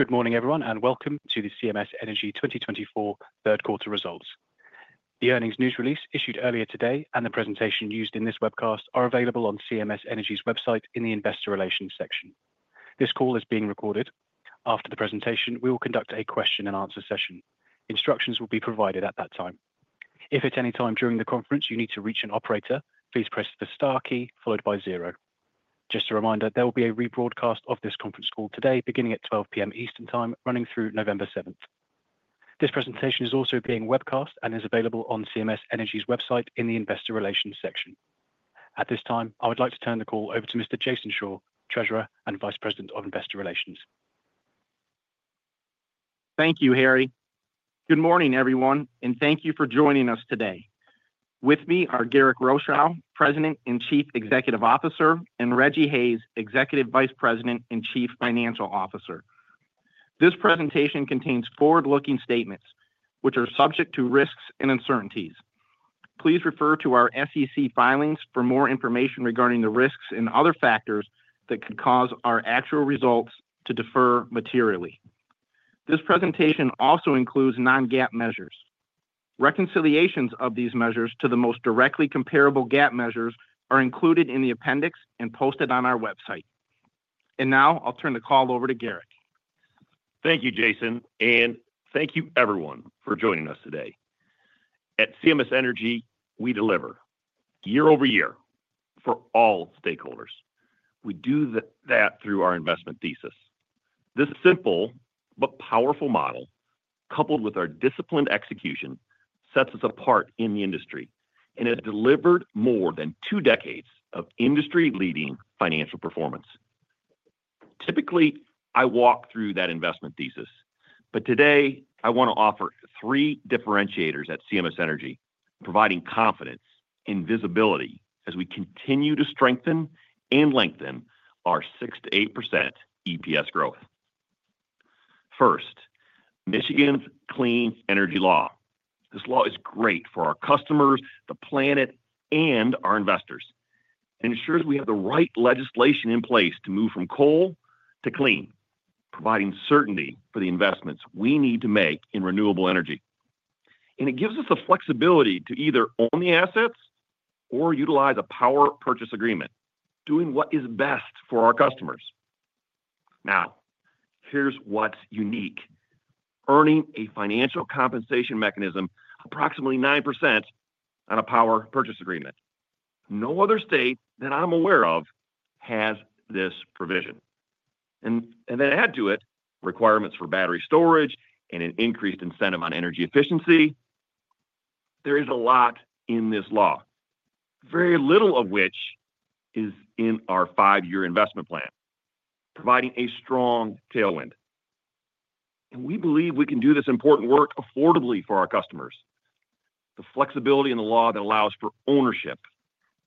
Good morning, everyone, and welcome to the CMS Energy 2024 third-quarter results. The earnings news release issued earlier today and the presentation used in this webcast are available on CMS Energy's website in the Investor Relations section. This call is being recorded. After the presentation, we will conduct a question-and-answer session. Instructions will be provided at that time. If at any time during the conference you need to reach an operator, please press the star key followed by zero. Just a reminder, there will be a rebroadcast of this conference call today beginning at 12:00 P.M. Eastern Time, running through November 7th. This presentation is also being webcast and is available on CMS Energy's website in the Investor Relations section. At this time, I would like to turn the call over to Mr. Jason Shore, Treasurer and Vice President of Investor Relations. Thank you, Harry. Good morning, everyone, and thank you for joining us today. With me are Garrick Rochow, President and Chief Executive Officer, and Rejji Hayes, Executive Vice President and Chief Financial Officer. This presentation contains forward-looking statements, which are subject to risks and uncertainties. Please refer to our SEC filings for more information regarding the risks and other factors that could cause our actual results to differ materially. This presentation also includes non-GAAP measures. Reconciliations of these measures to the most directly comparable GAAP measures are included in the appendix and posted on our website, and now I'll turn the call over to Garrick. Thank you, Jason, and thank you, everyone, for joining us today. At CMS Energy, we deliver year over year for all stakeholders. We do that through our investment thesis. This simple but powerful model, coupled with our disciplined execution, sets us apart in the industry and has delivered more than two decades of industry-leading financial performance. Typically, I walk through that investment thesis, but today I want to offer three differentiators at CMS Energy providing confidence and visibility as we continue to strengthen and lengthen our 68% EPS growth. First, Michigan's Clean Energy Law. This law is great for our customers, the planet, and our investors. It ensures we have the right legislation in place to move from coal to clean, providing certainty for the investments we need to make in renewable energy. And it gives us the flexibility to either own the assets or utilize a power purchase agreement, doing what is best for our customers. Now, here's what's unique: earning a financial compensation mechanism, approximately 9% on a power purchase agreement. No other state that I'm aware of has this provision. And then add to it requirements for battery storage and an increased incentive on energy efficiency. There is a lot in this law, very little of which is in our five year investment plan, providing a strong tailwind. And we believe we can do this important work affordably for our customers. The flexibility in the law that allows for ownership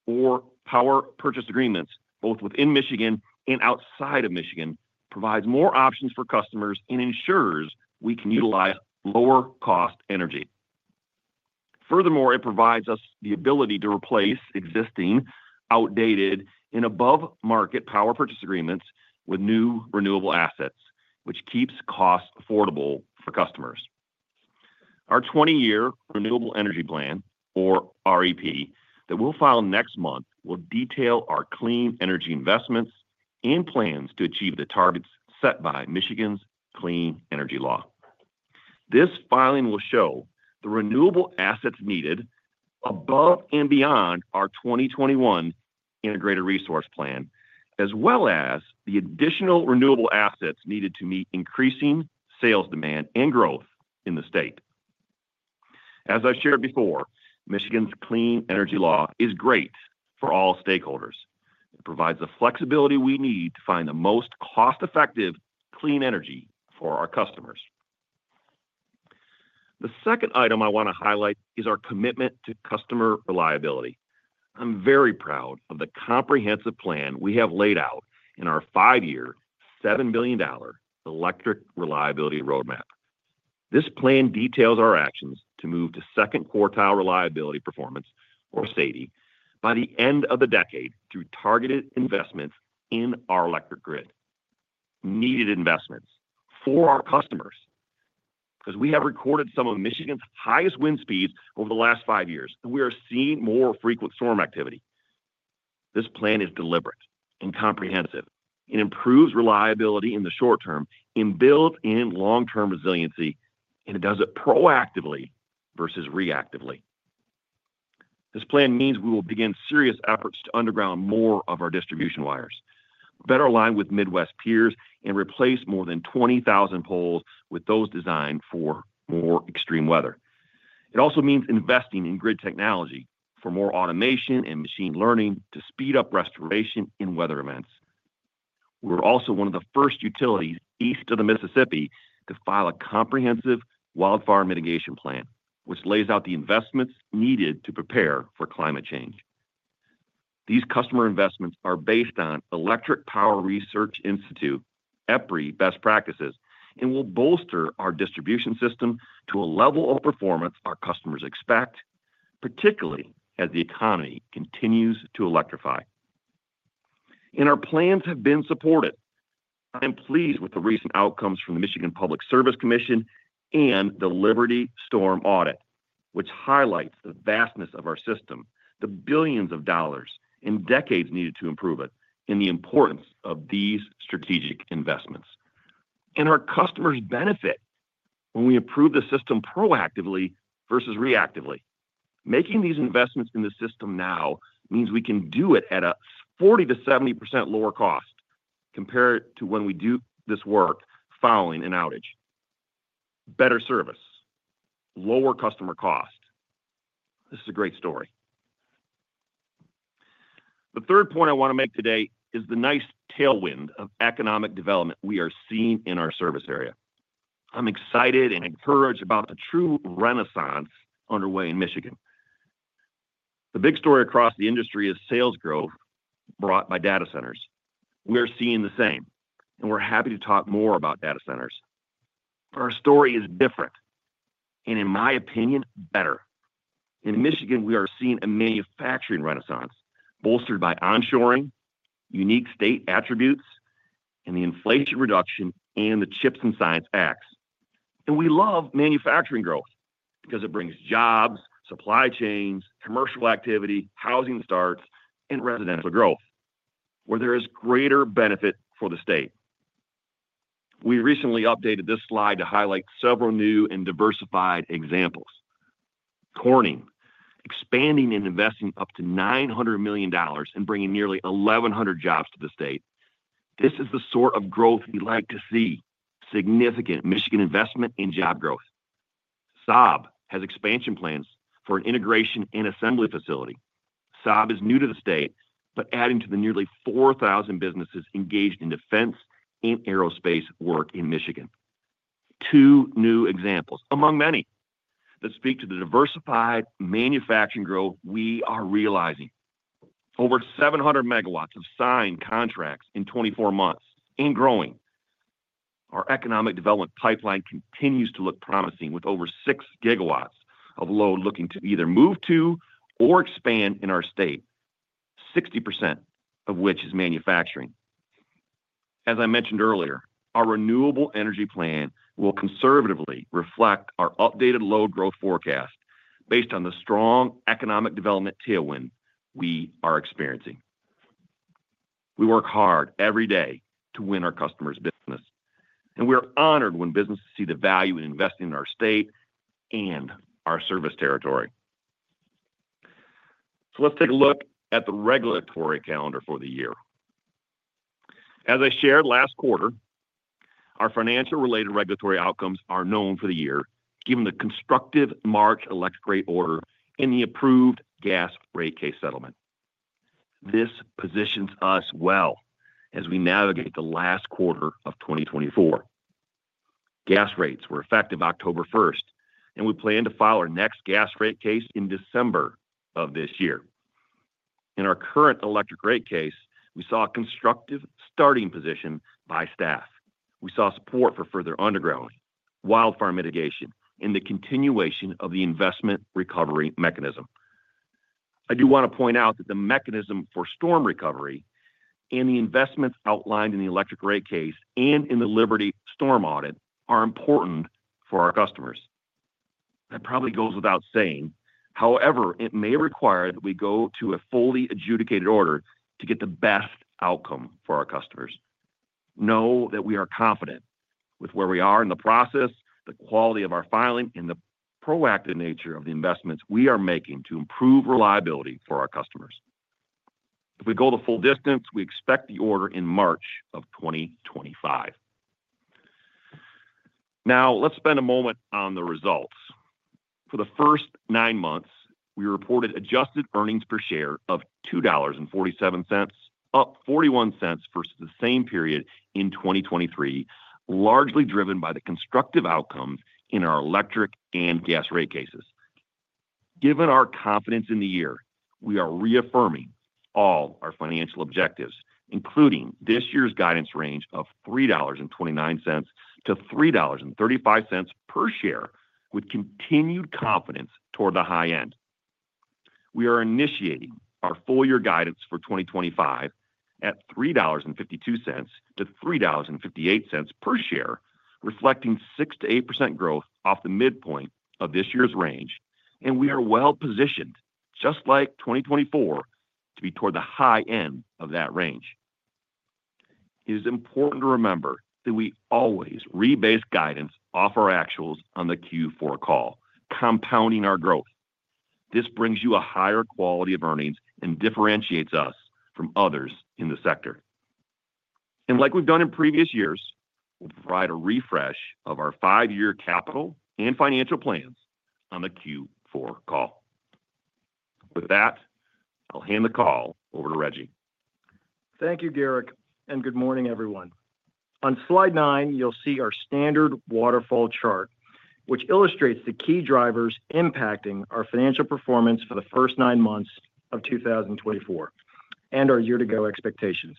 or power purchase agreements, both within Michigan and outside of Michigan, provides more options for customers and ensures we can utilize lower-cost energy. Furthermore, it provides us the ability to replace existing, outdated, and above-market power purchase agreements with new renewable assets, which keeps costs affordable for customers. Our 20 year Renewable Energy Plan, or REP, that we'll file next month will detail our clean energy investments and plans to achieve the targets set by Michigan's Clean Energy Law. This filing will show the renewable assets needed above and beyond our 2021 Integrated Resource Plan, as well as the additional renewable assets needed to meet increasing sales demand and growth in the state. As I've shared before, Michigan's Clean Energy Law is great for all stakeholders. It provides the flexibility we need to find the most cost-effective clean energy for our customers. The second item I want to highlight is our commitment to customer reliability. I'm very proud of the comprehensive plan we have laid out in our five year, $7 billion electric reliability roadmap. This plan details our actions to move to second-quartile reliability performance, or SAIDI, by the end of the decade through targeted investments in our electric grid, needed investments for our customers, because we have recorded some of Michigan's highest wind speeds over the last five years, and we are seeing more frequent storm activity. This plan is deliberate and comprehensive. It improves reliability in the short term and builds in long-term resiliency, and it does it proactively versus reactively. This plan means we will begin serious efforts to underground more of our distribution wires, better align with Midwest peers, and replace more than 20,000 poles with those designed for more extreme weather. It also means investing in grid technology for more automation and machine learning to speed up restoration in weather events. We're also one of the first utilities east of the Mississippi to file a comprehensive wildfire mitigation plan, which lays out the investments needed to prepare for climate change. These customer investments are based on Electric Power Research Institute (EPRI) best practices and will bolster our distribution system to a level of performance our customers expect, particularly as the economy continues to electrify, and our plans have been supported. I'm pleased with the recent outcomes from the Michigan Public Service Commission and the Liberty Storm Audit, which highlights the vastness of our system, the billions of dollars and decades needed to improve it, and the importance of these strategic investments, and our customers benefit when we improve the system proactively versus reactively. Making these investments in the system now means we can do it at a 40%-70% lower cost compared to when we do this work following an outage. Better service, lower customer cost. This is a great story. The third point I want to make today is the nice tailwind of economic development we are seeing in our service area. I'm excited and encouraged about the true renaissance underway in Michigan. The big story across the industry is sales growth brought by data centers. We're seeing the same, and we're happy to talk more about data centers. Our story is different, and in my opinion, better. In Michigan, we are seeing a manufacturing renaissance bolstered by onshoring, unique state attributes, and the Inflation Reduction Act and the CHIPS and Science Act. And we love manufacturing growth because it brings jobs, supply chains, commercial activity, housing starts, and residential growth, where there is greater benefit for the state. We recently updated this slide to highlight several new and diversified examples. Corning, expanding and investing up to $900 million and bringing nearly 1,100 jobs to the state. This is the sort of growth we'd like to see: significant Michigan investment and job growth. Saab has expansion plans for an integration and assembly facility. Saab is new to the state, but adding to the nearly 4,000 businesses engaged in defense and aerospace work in Michigan. Two new examples, among many, that speak to the diversified manufacturing growth we are realizing. Over 700 megawatts of signed contracts in 24 months and growing. Our economic development pipeline continues to look promising, with over six gigawatts of load looking to either move to or expand in our state, 60% of which is manufacturing. As I mentioned earlier, our Renewable Energy Plan will conservatively reflect our updated load growth forecast based on the strong economic development tailwind we are experiencing. We work hard every day to win our customers' business, and we are honored when businesses see the value in investing in our state and our service territory. So let's take a look at the regulatory calendar for the year. As I shared last quarter, our financial-related regulatory outcomes are known for the year, given the constructive March electric rate order and the approved gas rate case settlement. This positions us well as we navigate the last quarter of 2024. Gas rates were effective October 1st, and we plan to file our next gas rate case in December of this year. In our current electric rate case, we saw a constructive starting position by staff. We saw support for further undergrounding, wildfire mitigation, and the continuation of the Investment Recovery Mechanism. I do want to point out that the mechanism for storm recovery and the investments outlined in the electric rate case and in the Liberty Storm Audit are important for our customers. That probably goes without saying. However, it may require that we go to a fully adjudicated order to get the best outcome for our customers. Know that we are confident with where we are in the process, the quality of our filing, and the proactive nature of the investments we are making to improve reliability for our customers. If we go the full distance, we expect the order in March of 2025. Now, let's spend a moment on the results. For the first nine months, we reported adjusted earnings per share of $2.47, up $0.41 versus the same period in 2023, largely driven by the constructive outcomes in our electric and gas rate cases. Given our confidence in the year, we are reaffirming all our financial objectives, including this year's guidance range of $3.29-$3.35 per share, with continued confidence toward the high end. We are initiating our full-year guidance for 2025 at $3.52-$3.58 per share, reflecting 6%-8% growth off the midpoint of this year's range, and we are well positioned, just like 2024, to be toward the high end of that range. It is important to remember that we always rebase guidance off our actuals on the Q4 call, compounding our growth. This brings you a higher quality of earnings and differentiates us from others in the sector. And like we've done in previous years, we'll provide a refresh of our five year capital and financial plans on the Q4 call. With that, I'll hand the call over to Rejji. Thank you, Garrick, and good morning, everyone. On slide nine, you'll see our standard waterfall chart, which illustrates the key drivers impacting our financial performance for the first nine months of 2024 and our year-to-go expectations.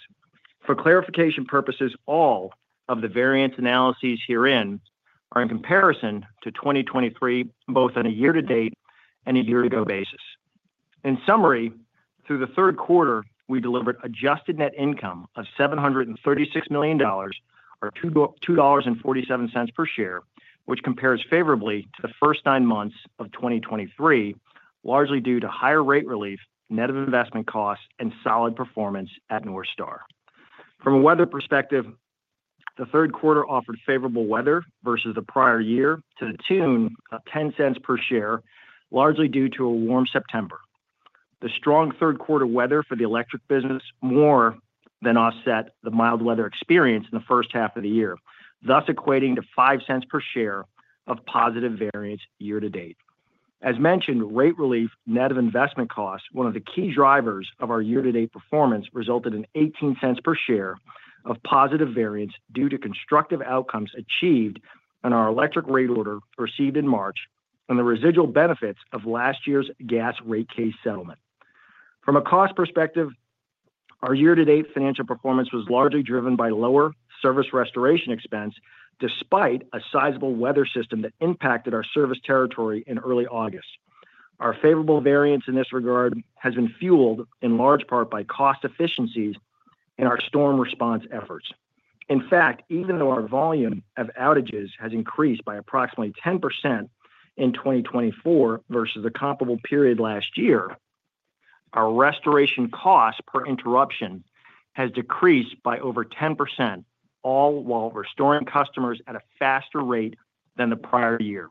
For clarification purposes, all of the variance analyses herein are in comparison to 2023, both on a year-to-date and a year-to-go basis. In summary, through the third quarter, we delivered adjusted net income of $736 million, or $2.47 per share, which compares favorably to the first nine months of 2023, largely due to higher rate relief, net of investment costs, and solid performance at NorthStar. From a weather perspective, the third quarter offered favorable weather versus the prior year to the tune of $0.10 per share, largely due to a warm September. The strong third quarter weather for the electric business more than offset the mild weather experience in the first half of the year, thus equating to $0.05 per share of positive variance year to date. As mentioned, rate relief, net of investment costs, one of the key drivers of our year-to-date performance, resulted in $0.18 per share of positive variance due to constructive outcomes achieved on our electric rate order received in March and the residual benefits of last year's gas rate case settlement. From a cost perspective, our year-to-date financial performance was largely driven by lower service restoration expense, despite a sizable weather system that impacted our service territory in early August. Our favorable variance in this regard has been fueled in large part by cost efficiencies in our storm response efforts. In fact, even though our volume of outages has increased by approximately 10% in 2024 versus the comparable period last year, our restoration cost per interruption has decreased by over 10%, all while restoring customers at a faster rate than the prior year.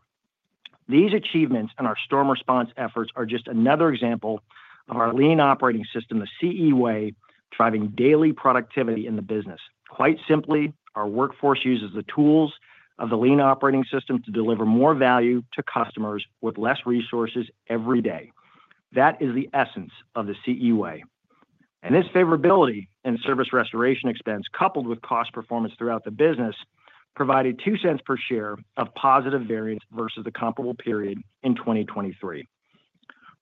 These achievements in our storm response efforts are just another example of our lean operating system, the CE Way, driving daily productivity in the business. Quite simply, our workforce uses the tools of the lean operating system to deliver more value to customers with less resources every day. That is the essence of the CE Way. And this favorability in service restoration expense, coupled with cost performance throughout the business, provided $0.02 per share of positive variance versus the comparable period in 2023.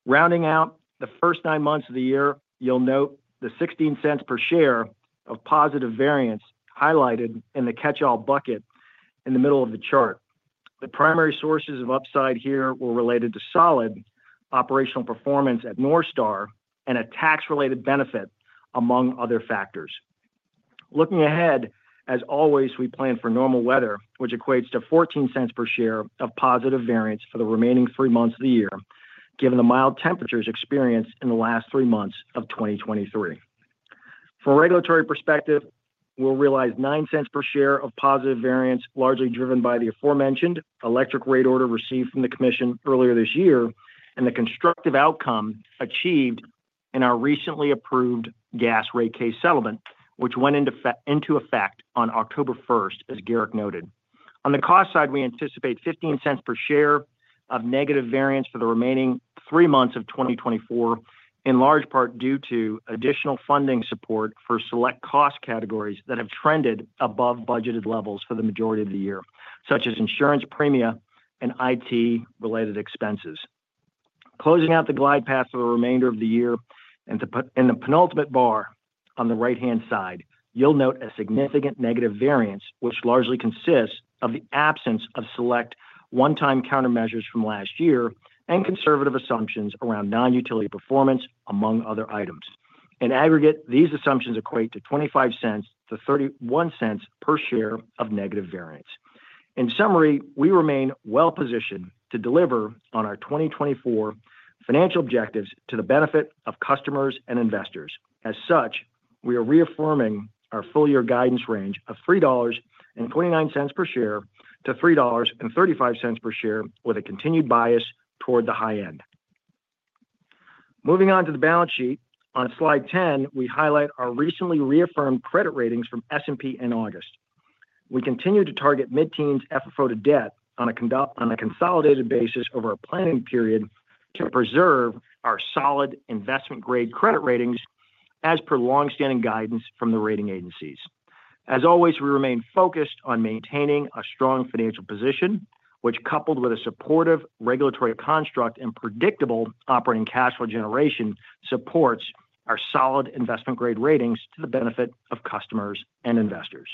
Rounding out the first nine months of the year, you'll note the $0.16per share of positive variance highlighted in the catch-all bucket in the middle of the chart. The primary sources of upside here were related to solid operational performance at NorthStar and a tax-related benefit, among other factors. Looking ahead, as always, we plan for normal weather, which equates to $0.14 per share of positive variance for the remaining three months of the year, given the mild temperatures experienced in the last three months of 2023. From a regulatory perspective, we'll realize $0.9 per share of positive variance, largely driven by the aforementioned electric rate order received from the Commission earlier this year and the constructive outcome achieved in our recently approved gas rate case settlement, which went into effect on October 1st, as Garrick noted. On the cost side, we anticipate $0.15 per share of negative variance for the remaining three months of 2024, in large part due to additional funding support for select cost categories that have trended above budgeted levels for the majority of the year, such as insurance, premia, and IT-related expenses. Closing out the glide path for the remainder of the year, in the penultimate bar on the right-hand side, you'll note a significant negative variance, which largely consists of the absence of select one-time countermeasures from last year and conservative assumptions around non-utility performance, among other items. In aggregate, these assumptions equate to $0.25-$0.31 per share of negative variance. In summary, we remain well positioned to deliver on our 2024 financial objectives to the benefit of customers and investors. As such, we are reaffirming our full-year guidance range of $3.29 - $3.35 per share, with a continued bias toward the high end. Moving on to the balance sheet, on slide 10, we highlight our recently reaffirmed credit ratings from S&P in August. We continue to target mid-teens FFO to debt on a consolidated basis over a planning period to preserve our solid investment-grade credit ratings as per longstanding guidance from the rating agencies. As always, we remain focused on maintaining a strong financial position, which, coupled with a supportive regulatory construct and predictable operating cash flow generation, supports our solid investment-grade ratings to the benefit of customers and investors.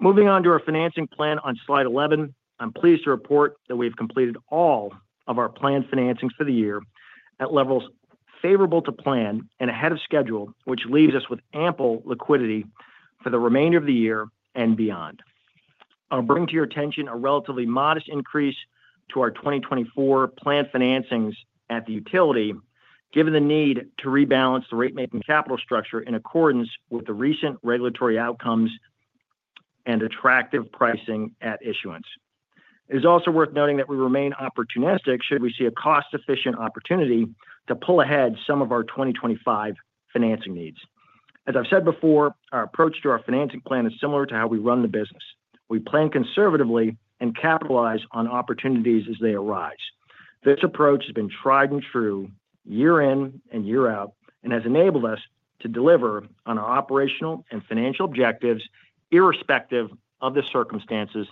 Moving on to our financing plan on slide 11, I'm pleased to report that we have completed all of our planned financings for the year at levels favorable to plan and ahead of schedule, which leaves us with ample liquidity for the remainder of the year and beyond. I'll bring to your attention a relatively modest increase to our 2024 planned financings at the utility, given the need to rebalance the rate-making capital structure in accordance with the recent regulatory outcomes and attractive pricing at issuance. It is also worth noting that we remain opportunistic should we see a cost-efficient opportunity to pull ahead some of our 2025 financing needs. As I've said before, our approach to our financing plan is similar to how we run the business. We plan conservatively and capitalize on opportunities as they arise. This approach has been tried and true year in and year out and has enabled us to deliver on our operational and financial objectives, irrespective of the circumstances,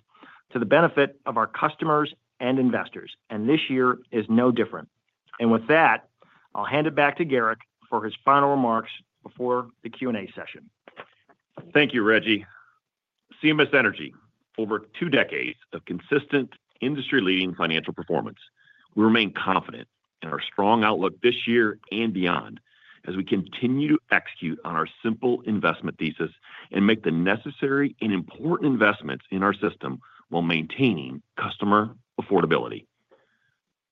to the benefit of our customers and investors. And this year is no different. And with that, I'll hand it back to Garrick for his final remarks before the Q&A session. Thank you, Rejji. CMS Energy. Over two decades of consistent industry-leading financial performance, we remain confident in our strong outlook this year and beyond as we continue to execute on our simple investment thesis and make the necessary and important investments in our system while maintaining customer affordability.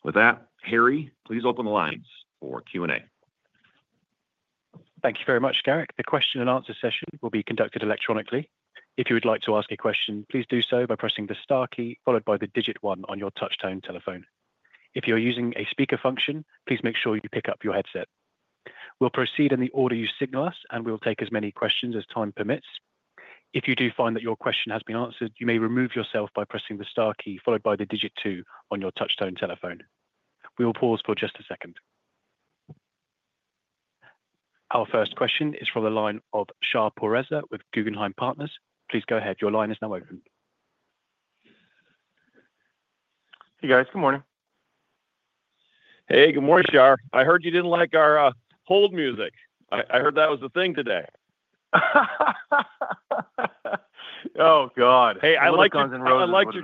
With that, Harry, please open the lines for Q&A. Thank you very much, Garrick. The question-and-answer session will be conducted electronically. If you would like to ask a question, please do so by pressing the star key followed by the digit one on your touch-tone telephone. If you are using a speaker function, please make sure you pick up your headset. We'll proceed in the order you signal us, and we'll take as many questions as time permits. If you do find that your question has been answered, you may remove yourself by pressing the star key followed by the digit two on your touch-tone telephone. We will pause for just a second. Our first question is from the line of Shah Pourreza with Guggenheim Partners. Please go ahead. Your line is now open. Hey, guys. Good morning. Hey, good morning, Shah. I heard you didn't like our hold music. I heard that was the thing today. Oh, God. Hey, I like your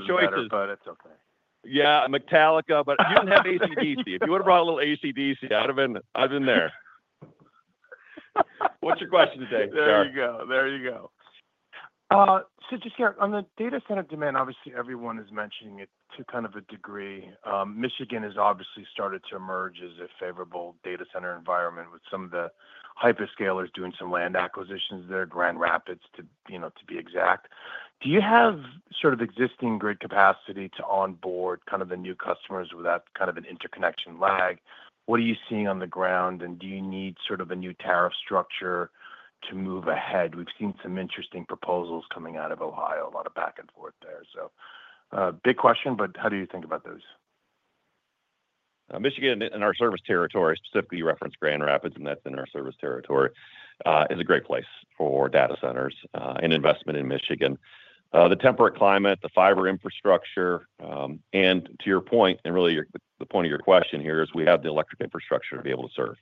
choices. But it's okay. Yeah, Metallica, but you didn't have AC/DC. If you would have brought a little AC/DC, I'd have been there. What's your question today, Shah? There you go. There you go. So just, Garrick, on the data center demand, obviously, everyone is mentioning it to kind of a degree. Michigan has obviously started to emerge as a favorable data center environment, with some of the hyperscalers doing some land acquisitions there, Grand Rapids, to be exact. Do you have sort of existing grid capacity to onboard kind of the new customers without kind of an interconnection lag? What are you seeing on the ground, and do you need sort of a new tariff structure to move ahead? We've seen some interesting proposals coming out of Ohio, a lot of back and forth there. So big question, but how do you think about those? Michigan, in our service territory, specifically you referenced Grand Rapids, and that's in our service territory, is a great place for data centers and investment in Michigan. The temperate climate, the fiber infrastructure, and to your point, and really the point of your question here is we have the electric infrastructure to be able to serve.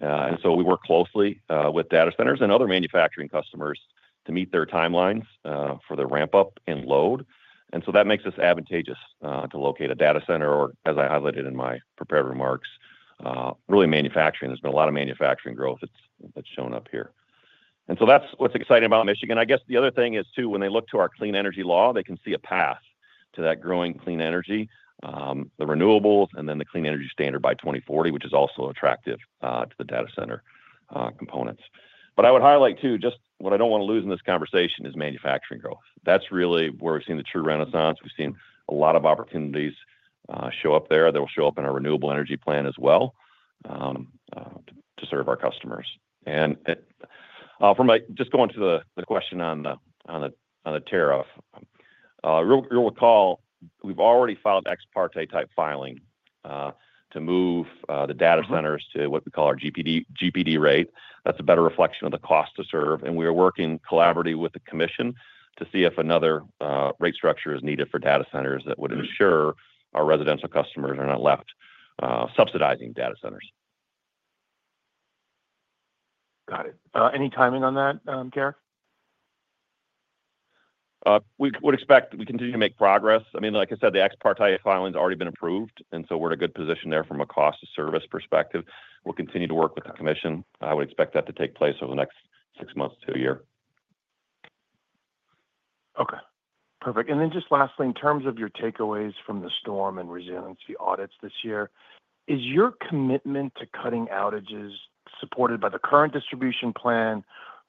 And so we work closely with data centers and other manufacturing customers to meet their timelines for the ramp-up and load. And so that makes us advantageous to locate a data center, or as I highlighted in my prepared remarks, really manufacturing. There's been a lot of manufacturing growth that's shown up here. And so that's what's exciting about Michigan. I guess the other thing is, too, when they look to our clean energy law, they can see a path to that growing clean energy, the renewables, and then the clean energy standard by 2040, which is also attractive to the data center components. But I would highlight, too, just what I don't want to lose in this conversation is manufacturing growth. That's really where we've seen the true renaissance. We've seen a lot of opportunities show up there that will show up in our renewable energy plan as well to serve our customers. And just going to the question on the tariff, you'll recall we've already filed ex parte-type filing to move the data centers to what we call our GPD rate. That's a better reflection of the cost to serve. We are working collaboratively with the Commission to see if another rate structure is needed for data centers that would ensure our residential customers are not left subsidizing data centers. Got it. Any timing on that, Garrick? We would expect we continue to make progress. I mean, like I said, the Ex parte filing has already been approved, and so we're in a good position there from a cost-to-service perspective. We'll continue to work with the Commission. I would expect that to take place over the next six months to a year. Okay. Perfect. And then just lastly, in terms of your takeaways from the storm and resiliency audits this year, is your commitment to cutting outages supported by the current distribution plan,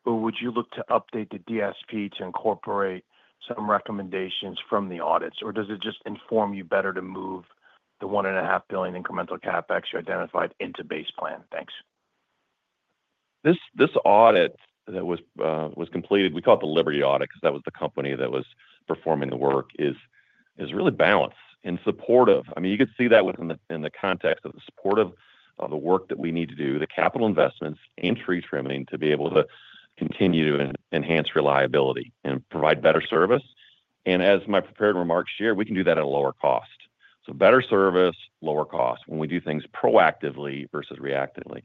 or would you look to update the DSP to incorporate some recommendations from the audits, or does it just inform you better to move the $1.5 billion incremental CapEx you identified into base plan? Thanks. This audit that was completed, we call it the Liberty Storm Audit because that was the company that was performing the work, is really balanced and supportive. I mean, you could see that in the context of the support of the work that we need to do, the capital investments, and tree trimming to be able to continue to enhance reliability and provide better service, and as my prepared remarks share, we can do that at a lower cost, so better service, lower cost when we do things proactively versus reactively,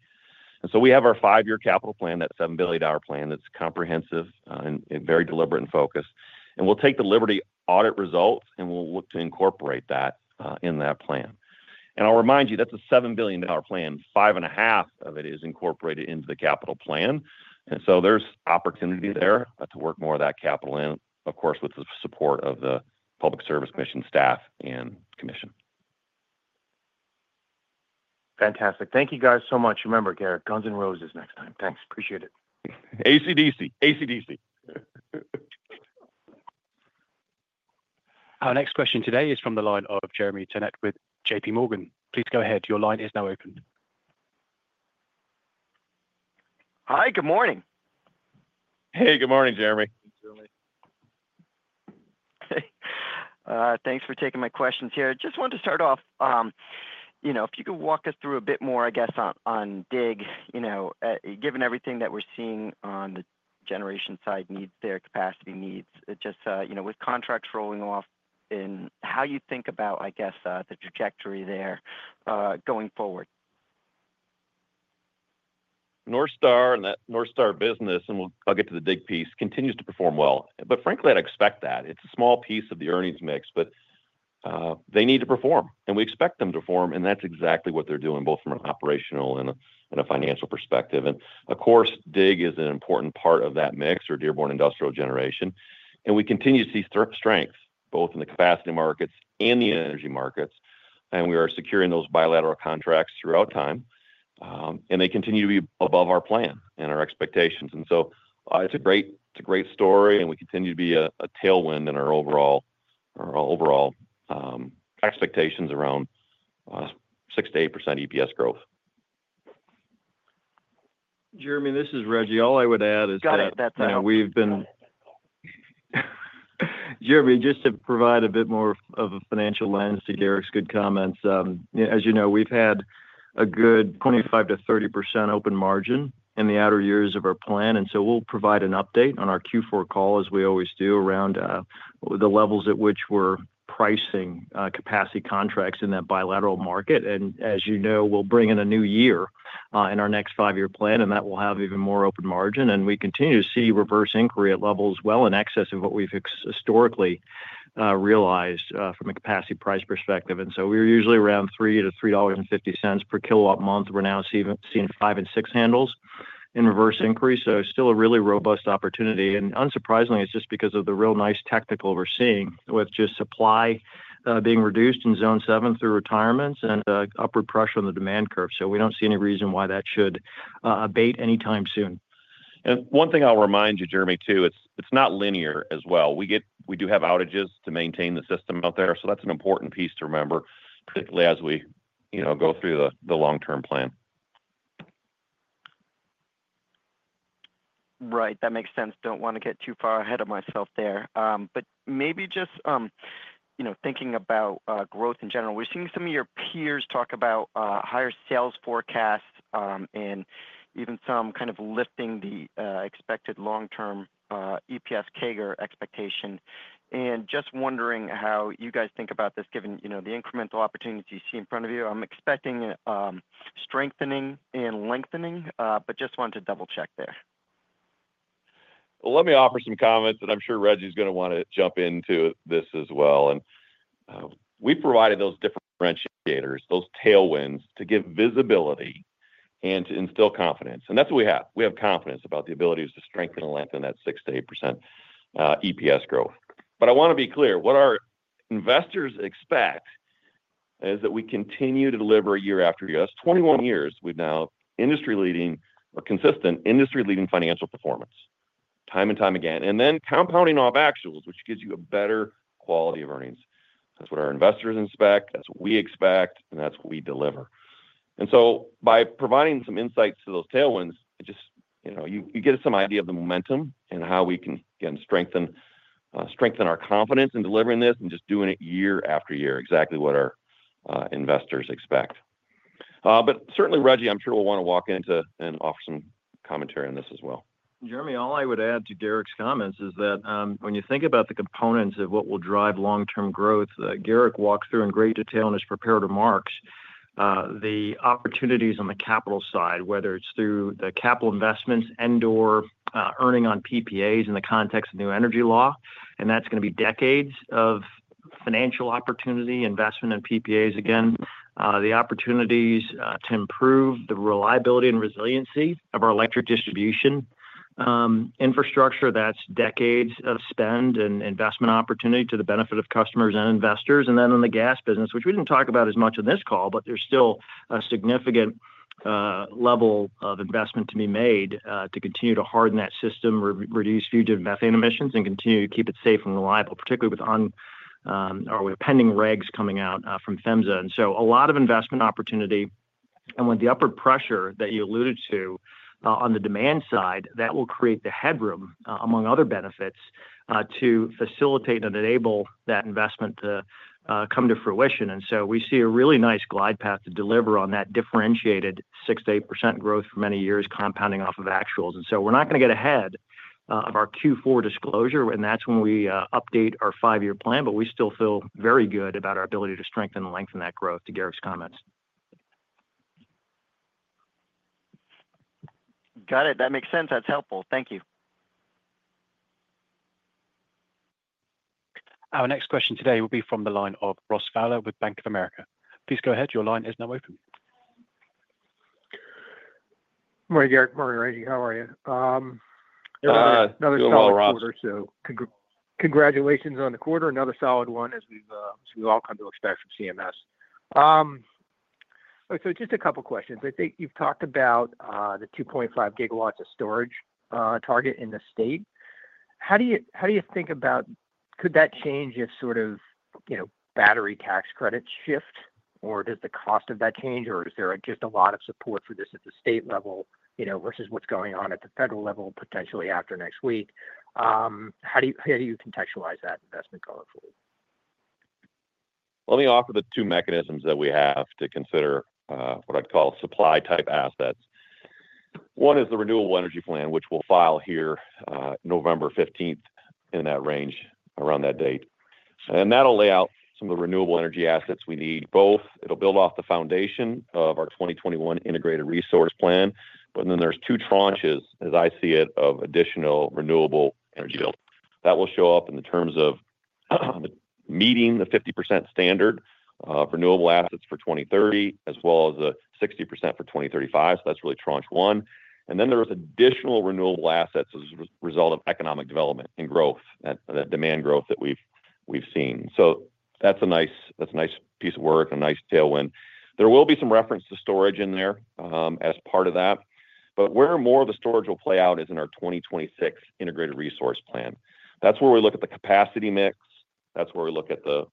and so we have our five year capital plan, that $7 billion plan that's comprehensive and very deliberate and focused, and we'll take the Liberty Storm Audit results, and we'll look to incorporate that in that plan, and I'll remind you, that's a $7 billion plan. $5.5 billion of it is incorporated into the capital plan. And so there's opportunity there to work more of that capital in, of course, with the support of the Public Service Commission staff and Commission. Fantastic. Thank you, guys, so much. Remember, Garrick, guns and roses next time. Thanks. Appreciate it. AC/DC. AC/DC. Our next question today is from the line of Jeremy Tonet with JPMorgan. Please go ahead. Your line is now open. Hi. Good morning. Hey. Good morning, Jeremy. Thanks for taking my questions here. Just wanted to start off, if you could walk us through a bit more, I guess, on DIG, given everything that we're seeing on the generation side needs, their capacity needs, just with contracts rolling off, and how you think about, I guess, the trajectory there going forward. NorthStar and that NorthStar business, and I'll get to the DIG piece, continues to perform well. But frankly, I'd expect that. It's a small piece of the earnings mix, but they need to perform. And we expect them to perform, and that's exactly what they're doing, both from an operational and a financial perspective. And of course, DIG is an important part of that mix, or Dearborn Industrial Generation. And we continue to see strength, both in the capacity markets and the energy markets. And we are securing those bilateral contracts throughout time. And they continue to be above our plan and our expectations. And so it's a great story, and we continue to be a tailwind in our overall expectations around 6%-8% EPS growth. Jeremy, this is Reggie. All I would add is that. Got it. That's all. Jeremy, just to provide a bit more of a financial lens to Garrick's good comments, as you know, we've had a good 25%-30% open margin in the outer years of our plan. And so we'll provide an update on our Q4 call, as we always do, around the levels at which we're pricing capacity contracts in that bilateral market. And as you know, we'll bring in a new year in our next five year plan, and that will have even more open margin. And we continue to see reverse inquiry at levels well in excess of what we've historically realized from a capacity price perspective. And so we're usually around $3-$3.50 per KW- month. We're now seeing five and six handles in reverse inquiry. So still a really robust opportunity. Unsurprisingly, it's just because of the real nice technicals we're seeing, with just supply being reduced in zone seven through retirements and upward pressure on the demand curve. We don't see any reason why that should abate anytime soon. And one thing I'll remind you, Jeremy, too, it's not linear as well. We do have outages to maintain the system out there. So that's an important piece to remember, particularly as we go through the long-term plan. Right. That makes sense. Don't want to get too far ahead of myself there. But maybe just thinking about growth in general, we're seeing some of your peers talk about higher sales forecasts and even some kind of lifting the expected long-term EPS CAGR expectation. And just wondering how you guys think about this, given the incremental opportunities you see in front of you. I'm expecting strengthening and lengthening, but just wanted to double-check there. Let me offer some comments, and I'm sure Rejji's going to want to jump into this as well. We've provided those differentiators, those tailwinds, to give visibility and to instill confidence. That's what we have. We have confidence about the abilities to strengthen and lengthen that 6%-8% EPS growth. But I want to be clear. What our investors expect is that we continue to deliver year after year. That's 21 years we've now industry-leading or consistent industry-leading financial performance, time and time again, and then compounding off actuals, which gives you a better quality of earnings. That's what our investors expect. That's what we expect, and that's what we deliver. And so by providing some insights to those tailwinds, you get some idea of the momentum and how we can again strengthen our confidence in delivering this and just doing it year after year, exactly what our investors expect. But certainly, Rejji, I'm sure we'll want to walk into and offer some commentary on this as well. Jeremy, all I would add to Garrick's comments is that when you think about the components of what will drive long-term growth that Garrick walks through in great detail in his prepared remarks, the opportunities on the capital side, whether it's through the capital investments and/or earning on PPAs in the context of new energy law, and that's going to be decades of financial opportunity, investment in PPAs again, the opportunities to improve the reliability and resiliency of our electric distribution infrastructure. That's decades of spend and investment opportunity to the benefit of customers and investors. And then in the gas business, which we didn't talk about as much on this call, but there's still a significant level of investment to be made to continue to harden that system, reduce fugitive methane emissions, and continue to keep it safe and reliable, particularly with our pending regs coming out from PHMSA. A lot of investment opportunity. With the upward pressure that you alluded to on the demand side, that will create the headroom, among other benefits, to facilitate and enable that investment to come to fruition. We see a really nice glide path to deliver on that differentiated 6%-8% growth for many years, compounding off of actuals. We're not going to get ahead of our Q4 disclosure, and that's when we update our five year plan. We still feel very good about our ability to strengthen and lengthen that growth, to Garrick's comments. Got it. That makes sense. That's helpful. Thank you. Our next question today will be from the line of Ross Fowler with Bank of America. Please go ahead. Your line is now open. Morning, Garrick. Morning, Rejji. How are you? Good. Another solid quarter, so. Congratulations on the quarter. Another solid one, as we all kind of expect from CMS. So just a couple of questions. I think you've talked about the 2.5 GW of storage target in the state. How do you think about could that change if sort of battery tax credits shift, or does the cost of that change, or is there just a lot of support for this at the state level versus what's going on at the federal level potentially after next week? How do you contextualize that investment going forward? Let me offer the two mechanisms that we have to consider what I'd call supply-type assets. One is the renewable energy plan, which we'll file here November 15th, in that range, around that date, and that'll lay out some of the renewable energy assets we need. Both, it'll build off the foundation of our 2021 integrated resource plan, but then there's two tranches, as I see it, of additional renewable energy build. That will show up in the terms of meeting the 50% standard of renewable assets for 2030, as well as the 60% for 2035, so that's really tranche one, and then there's additional renewable assets as a result of economic development and growth, that demand growth that we've seen, so that's a nice piece of work and a nice tailwind. There will be some reference to storage in there as part of that. But where more of the storage will play out is in our 2026 Integrated Resource Plan. That's where we look at the capacity mix. That's where we look at the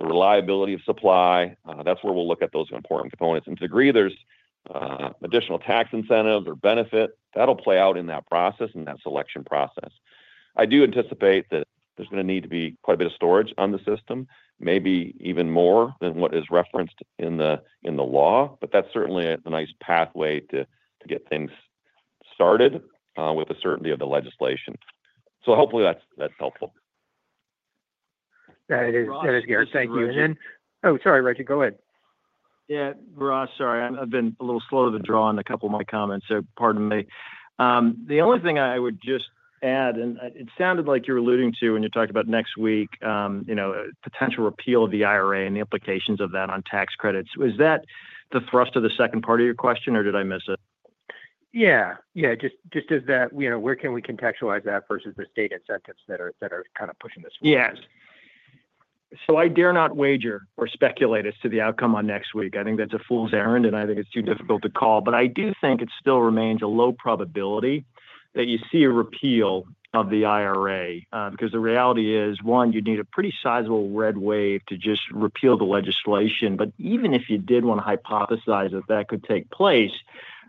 reliability of supply. That's where we'll look at those important components. And to a degree, there's additional tax incentives or benefits. That'll play out in that process, in that selection process. I do anticipate that there's going to need to be quite a bit of storage on the system, maybe even more than what is referenced in the law. But that's certainly a nice pathway to get things started with the certainty of the legislation. So hopefully, that's helpful. That is, Garrick. Thank you. And then, oh, sorry, Reggie. Go ahead. Yeah. Ross, sorry. I've been a little slow to draw on a couple of my comments, so pardon me. The only thing I would just add, and it sounded like you were alluding to when you talked about next week, potential repeal of the IRA and the implications of that on tax credits. Was that the thrust of the second part of your question, or did I miss it? Yeah. Yeah. Just as that, where can we contextualize that versus the state incentives that are kind of pushing this forward? Yes, so I dare not wager or speculate as to the outcome on next week. I think that's a fool's errand, and I think it's too difficult to call. But I do think it still remains a low probability that you see a repeal of the IRA because the reality is, one, you'd need a pretty sizable red wave to just repeal the legislation. But even if you did want to hypothesize that that could take place,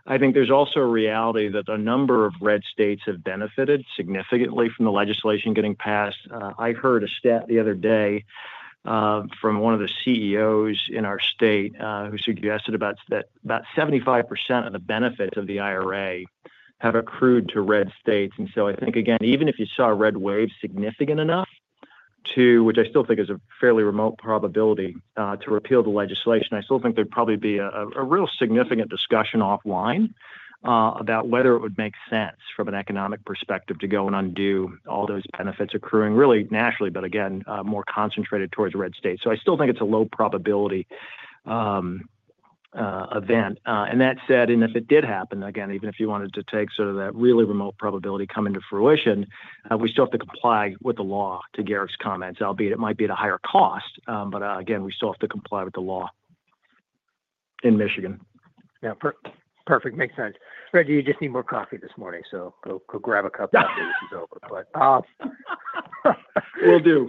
I think there's also a reality that a number of red states have benefited significantly from the legislation getting passed. I heard a stat the other day from one of the CEOs in our state who suggested about 75% of the benefits of the IRA have accrued to red states. And so I think, again, even if you saw a red wave significant enough to, which I still think is a fairly remote probability, to repeal the legislation, I still think there'd probably be a real significant discussion offline about whether it would make sense from an economic perspective to go and undo all those benefits accruing, really nationally, but again, more concentrated towards red states. So I still think it's a low probability event. And that said, and if it did happen, again, even if you wanted to take sort of that really remote probability come into fruition, we still have to comply with the law, to Garrick's comments, albeit it might be at a higher cost. But again, we still have to comply with the law in Michigan. Yeah. Perfect. Makes sense. Rejji, you just need more coffee this morning, so go grab a cup. This is over, but. Will do.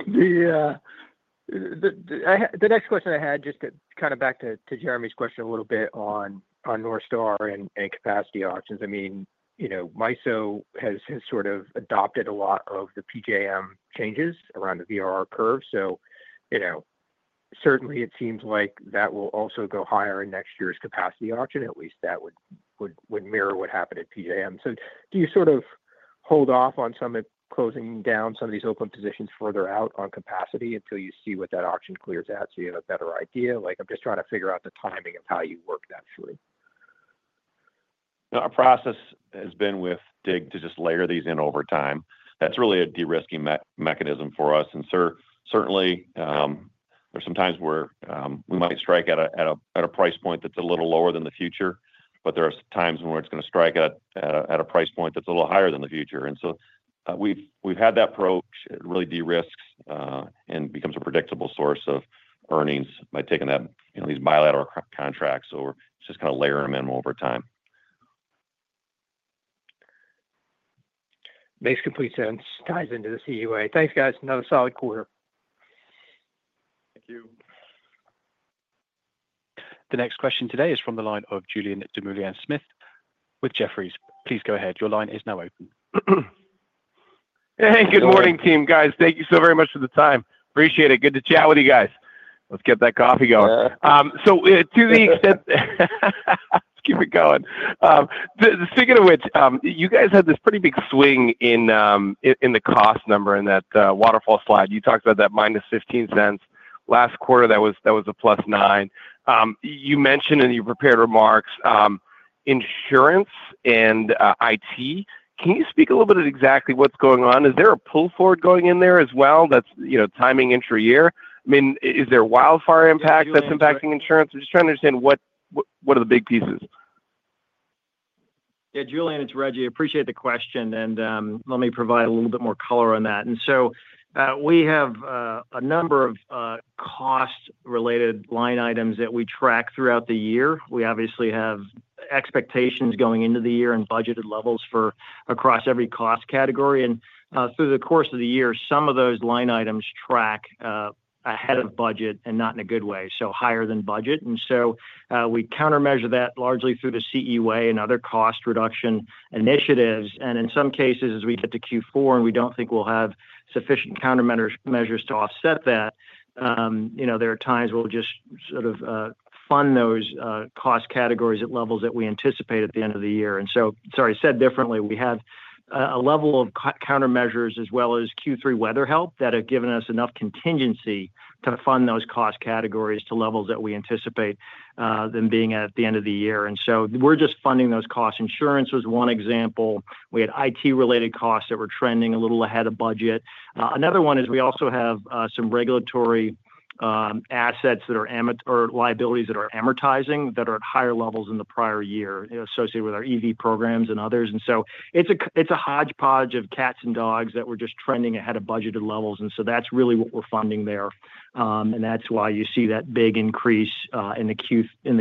The next question I had, just kind of back to Jeremy's question a little bit on Northstar and capacity auctions. I mean, MISO has sort of adopted a lot of the PJM changes around the VRR curve. So certainly, it seems like that will also go higher in next year's capacity auction. At least that would mirror what happened at PJM. So do you sort of hold off on some closing down some of these open positions further out on capacity until you see what that auction clears out so you have a better idea? I'm just trying to figure out the timing of how you work that through. Our process has been with DIG to just layer these in over time. That's really a de-risking mechanism for us. And certainly, there are some times where we might strike at a price point that's a little lower than the future, but there are times when it's going to strike at a price point that's a little higher than the future. And so we've had that approach. It really de-risks and becomes a predictable source of earnings by taking these bilateral contracts or just kind of layering them in over time. Makes complete sense. Ties into the CMA. Thanks, guys. Another solid quarter. Thank you. The next question today is from the line of Julien Dumoulin-Smith with Jefferies. Please go ahead. Your line is now open. Hey. Good morning, team, guys. Thank you so very much for the time. Appreciate it. Good to chat with you guys. Let's get that coffee going. So to the extent just keep it going. Speaking of which, you guys had this pretty big swing in the cost number in that waterfall slide. You talked about that minus $0.15. Last quarter, that was a +$0.09. You mentioned in your prepared remarks insurance and IT. Can you speak a little bit of exactly what's going on? Is there a pull forward going in there as well? That's timing intra-year. I mean, is there a wildfire impact that's impacting insurance? I'm just trying to understand what are the big pieces. Yeah. Julien, it's Rejji. Appreciate the question. And let me provide a little bit more color on that. And so we have a number of cost-related line items that we track throughout the year. We obviously have expectations going into the year and budgeted levels across every cost category. And through the course of the year, some of those line items track ahead of budget and not in a good way, so higher than budget. And so we countermeasure that largely through the CE Way and other cost reduction initiatives. And in some cases, as we get to Q4 and we don't think we'll have sufficient countermeasures to offset that, there are times we'll just sort of fund those cost categories at levels that we anticipate at the end of the year. And so, sorry, said differently, we have a level of countermeasures as well as Q3 weather help that have given us enough contingency to fund those cost categories to levels that we anticipate them being at the end of the year. And so we're just funding those costs. Insurance was one example. We had IT-related costs that were trending a little ahead of budget. Another one is we also have some regulatory assets that are liabilities that are amortizing that are at higher levels than the prior year associated with our EV programs and others. And so it's a hodgepodge of cats and dogs that were just trending ahead of budgeted levels. And so that's really what we're funding there. And that's why you see that big increase in the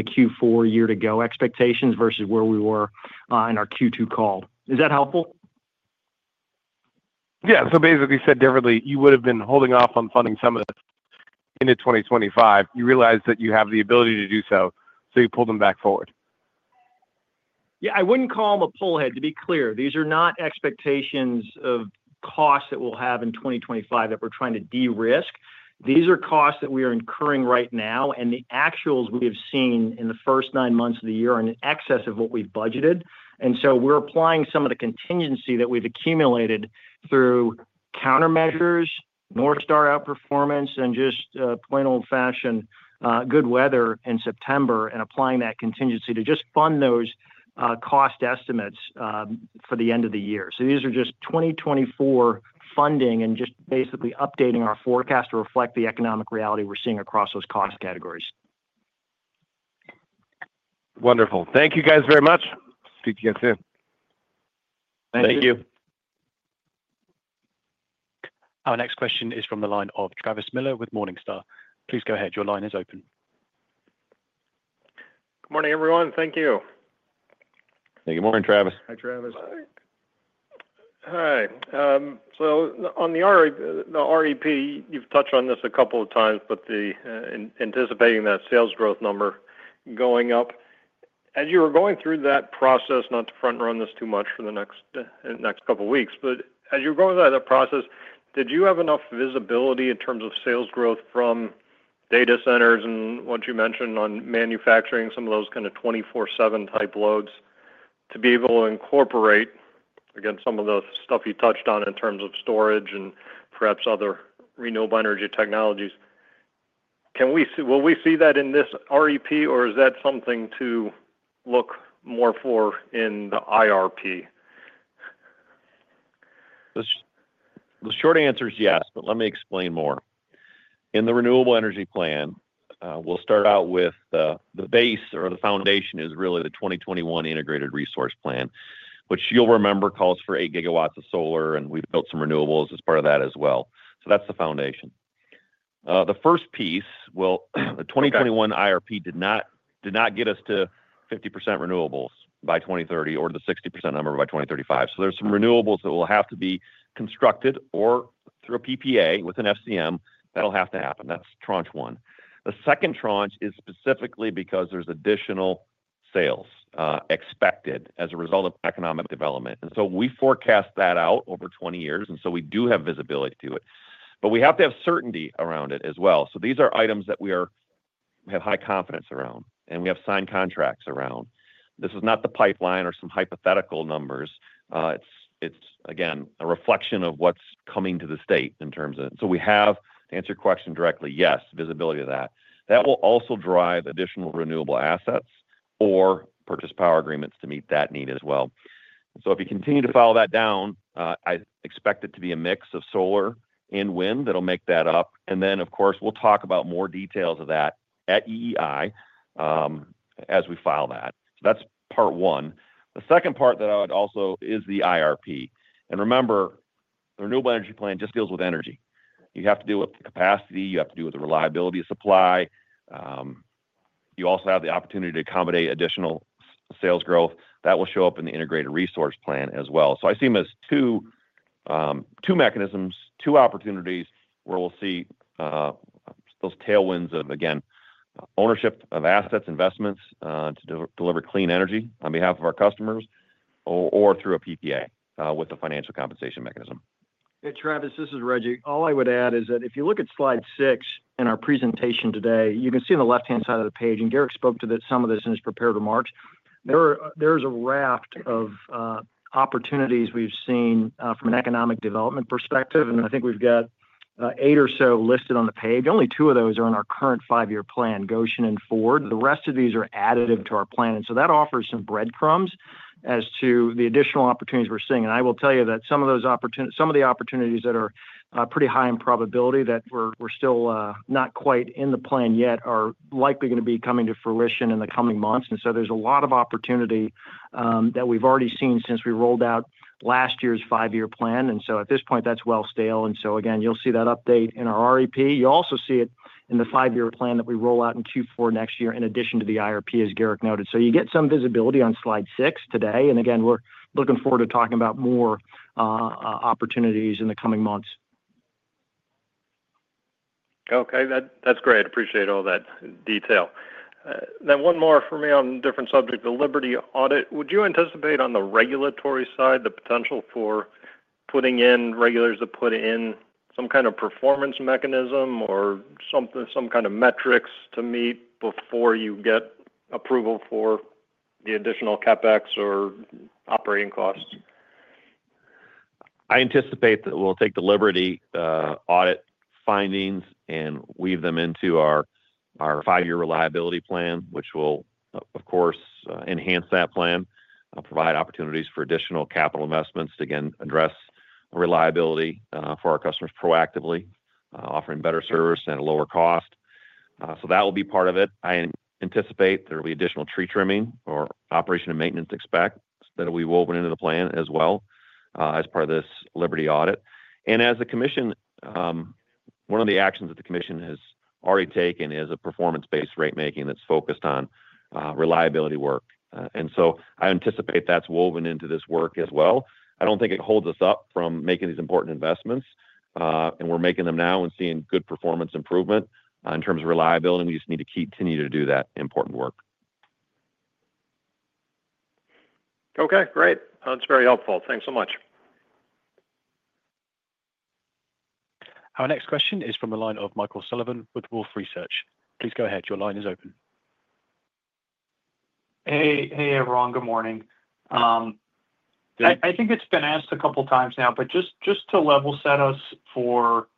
Q4 year-to-go expectations versus where we were in our Q2 call. Is that helpful? Yeah, so basically, said differently, you would have been holding off on funding some of this into 2025. You realize that you have the ability to do so, so you pull them back forward. Yeah. I wouldn't call them a pull ahead, to be clear. These are not expectations of costs that we'll have in 2025 that we're trying to de-risk. These are costs that we are incurring right now. And the actuals we have seen in the first nine months of the year are in excess of what we've budgeted. And so we're applying some of the contingency that we've accumulated through countermeasures, Northstar outperformance, and just plain old-fashioned good weather in September, and applying that contingency to just fund those cost estimates for the end of the year. So these are just 2024 funding and just basically updating our forecast to reflect the economic reality we're seeing across those cost categories. Wonderful. Thank you guys very much. Speak to you again soon. Thank you. Our next question is from the line of Travis Miller with Morningstar. Please go ahead. Your line is open. Good morning, everyone. Thank you. Hey. Good morning, Travis. Hi, Travis. Hi. So on the REP, you've touched on this a couple of times, but anticipating that sales growth number going up, as you were going through that process, not to front-run this too much for the next couple of weeks, but as you were going through that process, did you have enough visibility in terms of sales growth from data centers and what you mentioned on manufacturing, some of those kind of 24/7 type loads to be able to incorporate, again, some of the stuff you touched on in terms of storage and perhaps other renewable energy technologies? Will we see that in this REP, or is that something to look more for in the IRP? The short answer is yes, but let me explain more. In the renewable energy plan, we'll start out with the base or the foundation is really the 2021 integrated resource plan, which you'll remember calls for eight gigawatts of solar, and we've built some renewables as part of that as well. So that's the foundation. The first piece, well, the 2021 IRP did not get us to 50% renewables by 2030 or the 60% number by 2035. So there's some renewables that will have to be constructed or through a PPA with an FCM. That'll have to happen. That's tranche one. The second tranche is specifically because there's additional sales expected as a result of economic development. And so we forecast that out over 20 years, and so we do have visibility to it, but we have to have certainty around it as well. So these are items that we have high confidence around, and we have signed contracts around. This is not the pipeline or some hypothetical numbers. It's, again, a reflection of what's coming to the state in terms of it. So we have, to answer your question directly, yes, visibility to that. That will also drive additional renewable assets or power purchase agreements to meet that need as well. So if you continue to drill that down, I expect it to be a mix of solar and wind that'll make that up. And then, of course, we'll talk about more details of that at EEI as we file that. So that's part one. The second part that I would also is the IRP. And remember, the renewable energy plan just deals with energy. You have to deal with the capacity. You have to deal with the reliability of supply. You also have the opportunity to accommodate additional sales growth. That will show up in the Integrated Resource Plan as well. So I see them as two mechanisms, two opportunities where we'll see those tailwinds of, again, ownership of assets, investments to deliver clean energy on behalf of our customers or through a PPA with a financial compensation mechanism. Yeah. Travis, this is Rejji. All I would add is that if you look at slide six in our presentation today, you can see on the left-hand side of the page, and Garrick spoke to some of this in his prepared remarks, there is a raft of opportunities we've seen from an economic development perspective. And I think we've got eight or so listed on the page. Only two of those are in our current five year plan, Gotion and Ford. The rest of these are additive to our plan. And so that offers some breadcrumbs as to the additional opportunities we're seeing. And I will tell you that some of the opportunities that are pretty high in probability that we're still not quite in the plan yet are likely going to be coming to fruition in the coming months. And so there's a lot of opportunity that we've already seen since we rolled out last year's five year plan. And so at this point, that's well stale. And so, again, you'll see that update in our REP. You'll also see it in the five year plan that we roll out in Q4 next year in addition to the IRP, as Garrick noted. So you get some visibility on slide six today. And again, we're looking forward to talking about more opportunities in the coming months. Okay. That's great. Appreciate all that detail. Then one more for me on a different subject, the Liberty Audit. Would you anticipate on the regulatory side the potential for putting in regulators to put in some kind of performance mechanism or some kind of metrics to meet before you get approval for the additional CapEx or operating costs? I anticipate that we'll take the Liberty Audit findings and weave them into our five year reliability plan, which will, of course, enhance that plan, provide opportunities for additional capital investments to, again, address reliability for our customers proactively, offering better service at a lower cost. So that will be part of it. I anticipate there will be additional tree trimming or operation and maintenance expenses that will be woven into the plan as well as part of this Liberty Audit. And as the commission, one of the actions that the commission has already taken is a performance-based rate-making that's focused on reliability work. And so I anticipate that's woven into this work as well. I don't think it holds us up from making these important investments. And we're making them now and seeing good performance improvement in terms of reliability. We just need to continue to do that important work. Okay. Great. That's very helpful. Thanks so much. Our next question is from the line of Michael Sullivan with Wolfe Research. Please go ahead. Your line is open. Hey. Hey, everyone. Good morning. I think it's been asked a couple of times now, but just to level set us for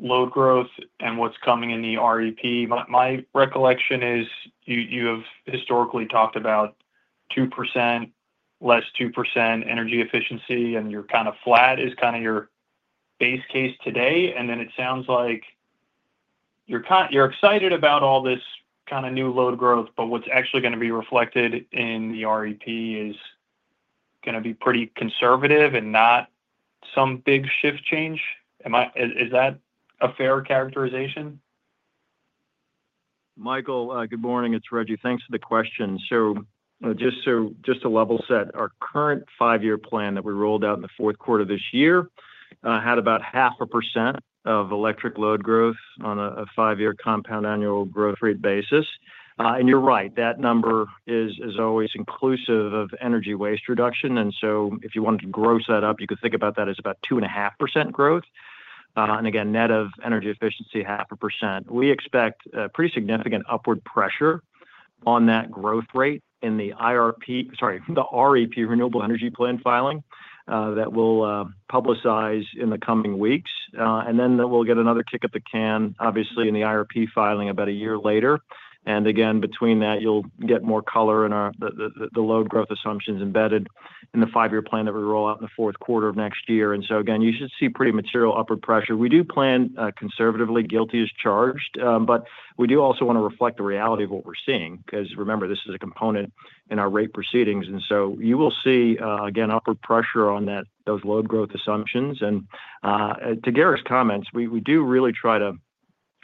load growth and what's coming in the REP, my recollection is you have historically talked about 2%, less 2% energy efficiency, and you're kind of flat is kind of your base case today. And then it sounds like you're excited about all this kind of new load growth, but what's actually going to be reflected in the REP is going to be pretty conservative and not some big sea change. Is that a fair characterization? Michael, good morning. It's Rejjie. Thanks for the question. So just to level set, our current five year plan that we rolled out in the fourth quarter of this year had about 0.5% of electric load growth on a five year compound annual growth rate basis. And you're right. That number is always inclusive of energy waste reduction. And so if you wanted to gross that up, you could think about that as about 2.5% growth. And again, net of energy efficiency, 0.5%. We expect pretty significant upward pressure on that growth rate in the IRP, sorry, the REP Renewable Energy Plan filing that we'll publicize in the coming weeks. And then we'll get another kick at the can, obviously, in the IRP filing about a year later. And again, between that, you'll get more color in the load growth assumptions embedded in the five year plan that we roll out in the fourth quarter of next year. And so, again, you should see pretty material upward pressure. We do plan conservatively, guilty as charged, but we do also want to reflect the reality of what we're seeing because, remember, this is a component in our rate proceedings. And so you will see, again, upward pressure on those load growth assumptions. And to Garrick's comments, we do really try to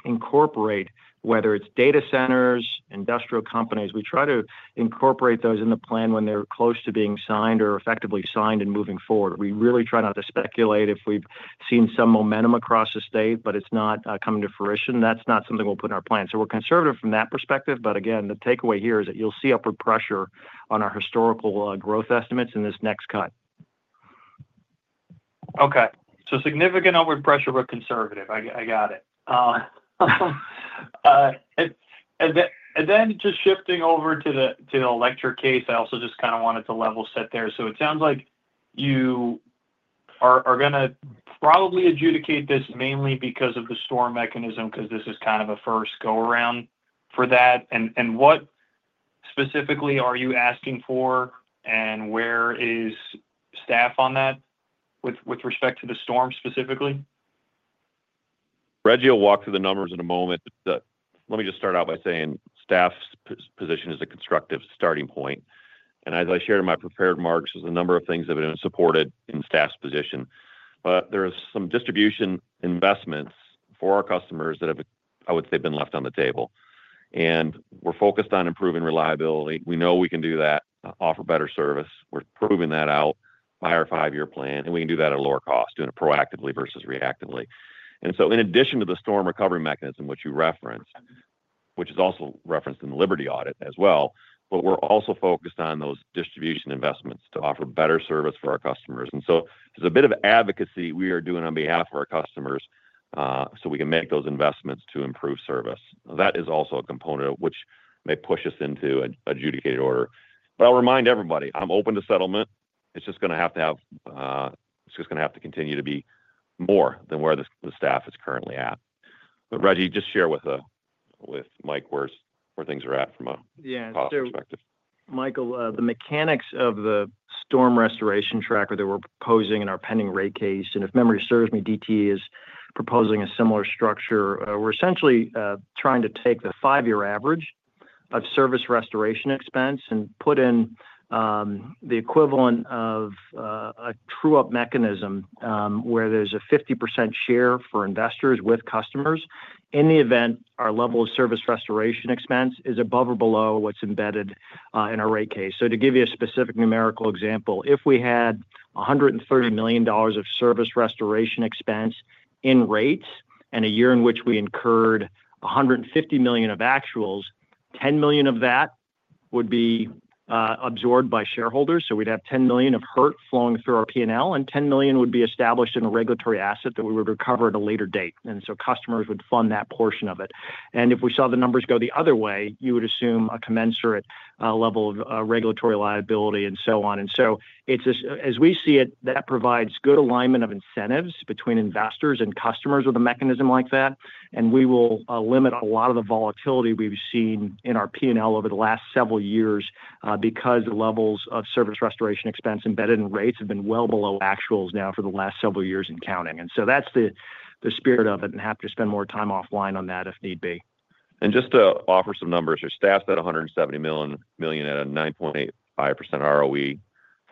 incorporate, whether it's data centers, industrial companies, we try to incorporate those in the plan when they're close to being signed or effectively signed and moving forward. We really try not to speculate if we've seen some momentum across the state, but it's not coming to fruition. That's not something we'll put in our plan. We're conservative from that perspective. Again, the takeaway here is that you'll see upward pressure on our historical growth estimates in this next cut. Okay. So significant upward pressure, but conservative. I got it. And then just shifting over to the electric case, I also just kind of wanted to level set there. So it sounds like you are going to probably adjudicate this mainly because of the storm mechanism because this is kind of a first go-around for that. And what specifically are you asking for, and where is staff on that with respect to the storm specifically? Rejji will walk through the numbers in a moment. Let me just start out by saying staff's position is a constructive starting point. And as I shared in my prepared remarks, there's a number of things that have been supported in staff's position. But there are some distribution investments for our customers that have, I would say, been left on the table. And we're focused on improving reliability. We know we can do that, offer better service. We're proving that out by our five year plan. And we can do that at a lower cost, doing it proactively versus reactively. And so in addition to the storm recovery mechanism, which you referenced, which is also referenced in the Liberty Audit as well, but we're also focused on those distribution investments to offer better service for our customers. There's a bit of advocacy we are doing on behalf of our customers so we can make those investments to improve service. That is also a component of which may push us into an adjudicated order. I'll remind everybody, I'm open to settlement. It's just going to have to continue to be more than where the staff is currently at. Rejjie, just share with Mike where things are at from a cost perspective. Yeah. Michael, the mechanics of the storm restoration tracker that we're proposing in our pending rate case, and if memory serves me, DTE is proposing a similar structure. We're essentially trying to take the five year average of service restoration expense and put in the equivalent of a true-up mechanism where there's a 50% share for investors with customers in the event our level of service restoration expense is above or below what's embedded in our rate case. So to give you a specific numerical example, if we had $130 million of service restoration expense in rates and a year in which we incurred $150 million of actuals, $10 million of that would be absorbed by shareholders. So we'd have $10 million of Hertz flowing through our P&L, and $10 million would be established in a regulatory asset that we would recover at a later date. And so customers would fund that portion of it. And if we saw the numbers go the other way, you would assume a commensurate level of regulatory liability and so on. And so as we see it, that provides good alignment of incentives between investors and customers with a mechanism like that. And we will limit a lot of the volatility we've seen in our P&L over the last several years because the levels of service restoration expense embedded in rates have been well below actuals now for the last several years and counting. And so that's the spirit of it and have to spend more time offline on that if need be. And just to offer some numbers, our staff's at $170 million at a 9.85% ROE,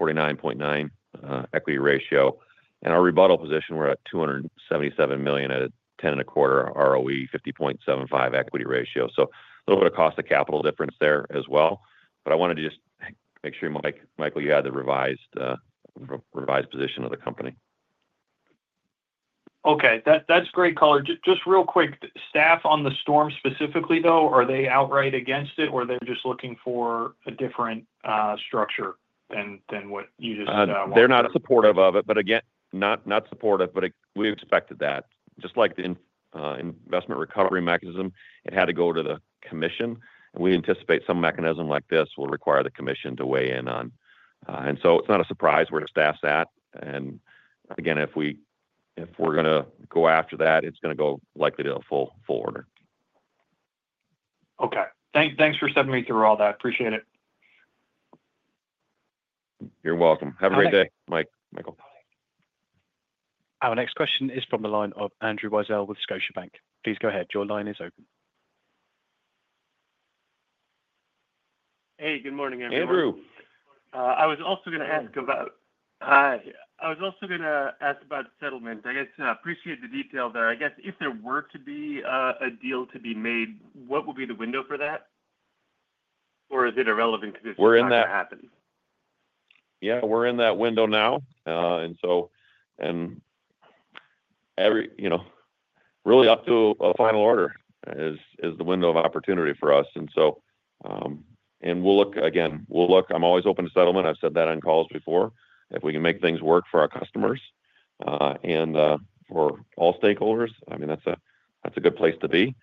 49.9% equity ratio. And our rebuttal position, we're at $277 million at a 10.25% ROE, 50.75% equity ratio. So a little bit of cost of capital difference there as well. But I wanted to just make sure, Michael, you had the revised position of the company. Okay. That's great, Coller. Just real quick, staff on the storm specifically, though, are they outright against it, or they're just looking for a different structure than what you just wanted? They're not supportive of it, but again, not supportive, but we expected that. Just like the investment recovery mechanism, it had to go to the commission. And we anticipate some mechanism like this will require the commission to weigh in on. And so it's not a surprise where staff's at. And again, if we're going to go after that, it's going to go likely to a full order. Okay. Thanks for sending me through all that. Appreciate it. You're welcome. Have a great day, Michael. Our next question is from the line of Andrew Weisel with Scotiabank. Please go ahead. Your line is open. Hey. Good morning, Andrew. Hey, Drew. I was also going to ask about settlement. I guess I appreciate the detail there. I guess if there were to be a deal to be made, what would be the window for that? Or is it irrelevant because it's not going to happen? Yeah. We're in that window now. And so really up to a final order is the window of opportunity for us. And we'll look again. I'm always open to settlement. I've said that on calls before, if we can make things work for our customers and for all stakeholders. I mean, that's a good place to be.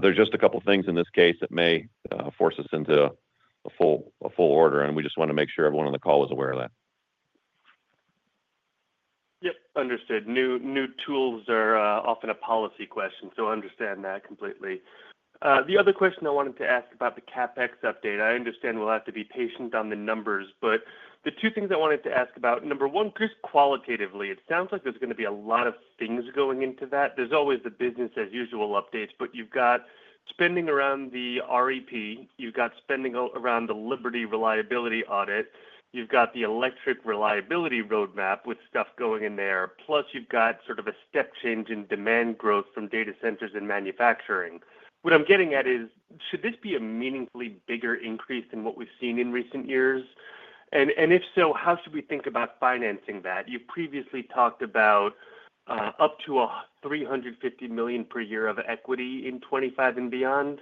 There's just a couple of things in this case that may force us into a full order. And we just want to make sure everyone on the call is aware of that. Yep. Understood. New tools are often a policy question. So I understand that completely. The other question I wanted to ask about the CapEx update, I understand we'll have to be patient on the numbers. But the two things I wanted to ask about, number one, just qualitatively, it sounds like there's going to be a lot of things going into that. There's always the business-as-usual updates, but you've got spending around the REP. You've got spending around the Liberty Storm Audit. You've got the electric reliability roadmap with stuff going in there. Plus, you've got sort of a step change in demand growth from data centers and manufacturing. What I'm getting at is, should this be a meaningfully bigger increase than what we've seen in recent years? And if so, how should we think about financing that? You've previously talked about up to $350 million per year of equity in 2025 and beyond.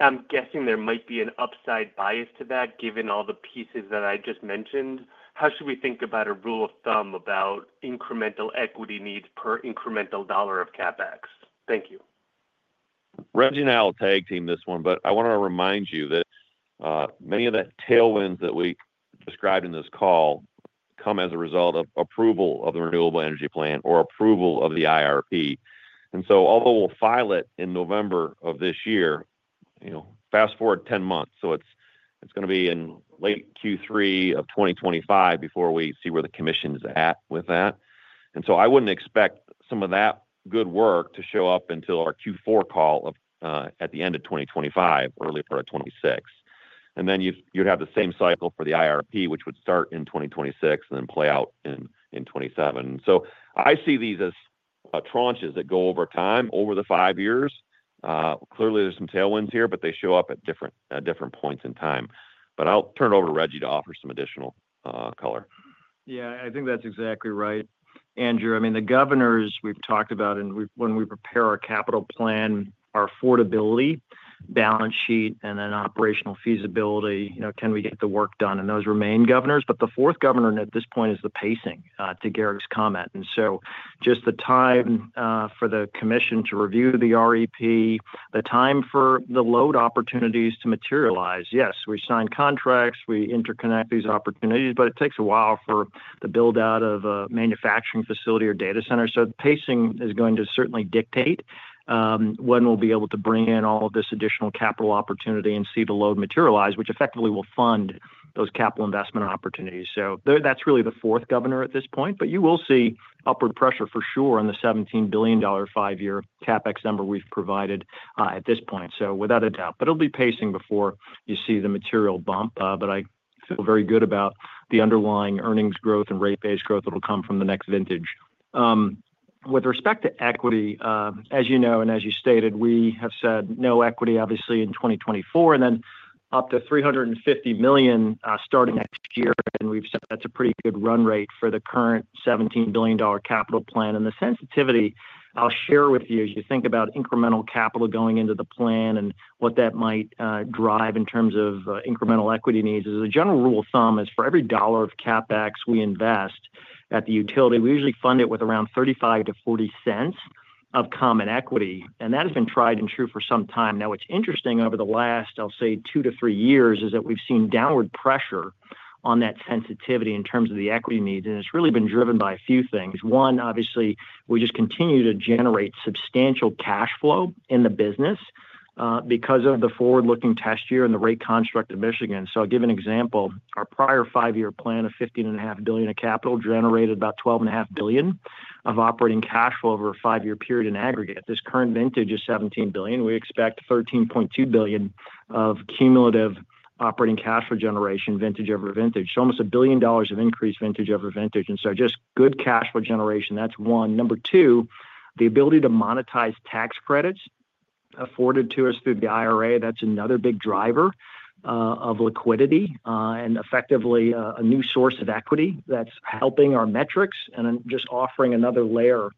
I'm guessing there might be an upside bias to that given all the pieces that I just mentioned. How should we think about a rule of thumb about incremental equity needs per incremental dollar of CapEx? Thank you. Rejji and I will tag team this one, but I want to remind you that many of the tailwinds that we described in this call come as a result of approval of the Renewable Energy Plan or approval of the IRP, and so although we'll file it in November of this year, fast forward 10 months, so it's going to be in late Q3 of 2025 before we see where the commission's at with that, and so I wouldn't expect some of that good work to show up until our Q4 call at the end of 2025, early part of 2026. And then you'd have the same cycle for the IRP, which would start in 2026 and then play out in 2027. So I see these as tranches that go over time, over the five years. Clearly, there's some tailwinds here, but they show up at different points in time. But I'll turn it over to Rejji to offer some additional color. Yeah. I think that's exactly right. Andrew, I mean, the governors we've talked about, and when we prepare our capital plan, our affordability balance sheet, and then operational feasibility, can we get the work done? And those remain governors. But the fourth governor at this point is the pacing to Garrick's comment. And so just the time for the commission to review the REP, the time for the load opportunities to materialize, yes, we sign contracts, we interconnect these opportunities, but it takes a while for the build-out of a manufacturing facility or data center. So the pacing is going to certainly dictate when we'll be able to bring in all of this additional capital opportunity and see the load materialize, which effectively will fund those capital investment opportunities. So that's really the fourth governor at this point. But you will see upward pressure for sure on the $17 billion five year CapEx number we've provided at this point, so without a doubt. But it'll be pacing before you see the material bump. But I feel very good about the underlying earnings growth and rate-based growth that will come from the next vintage. With respect to equity, as you know, and as you stated, we have said no equity, obviously, in 2024, and then up to $350 million starting next year. And we've said that's a pretty good run rate for the current $17 billion capital plan. The sensitivity I'll share with you as you think about incremental capital going into the plan and what that might drive in terms of incremental equity needs is a general rule of thumb is for every $1 of CapEx we invest at the utility, we usually fund it with around $0.35-$0.40 of common equity. That has been tried and true for some time. Now, what's interesting over the last, I'll say, two to three years is that we've seen downward pressure on that sensitivity in terms of the equity needs. It's really been driven by a few things. One, obviously, we just continue to generate substantial cash flow in the business because of the forward-looking test year and the rate construct of Michigan. So I'll give an example. Our prior five year plan of $15.5 billion of capital generated about $12.5 billion of operating cash flow over a five year period in aggregate. This current vintage is $17 billion. We expect $13.2 billion of cumulative operating cash flow generation, vintage over vintage, so almost $1 billion of increased vintage over vintage, and so just good cash flow generation, that's one. Number two, the ability to monetize tax credits afforded to us through the IRA, that's another big driver of liquidity and effectively a new source of equity that's helping our metrics and just offering another layer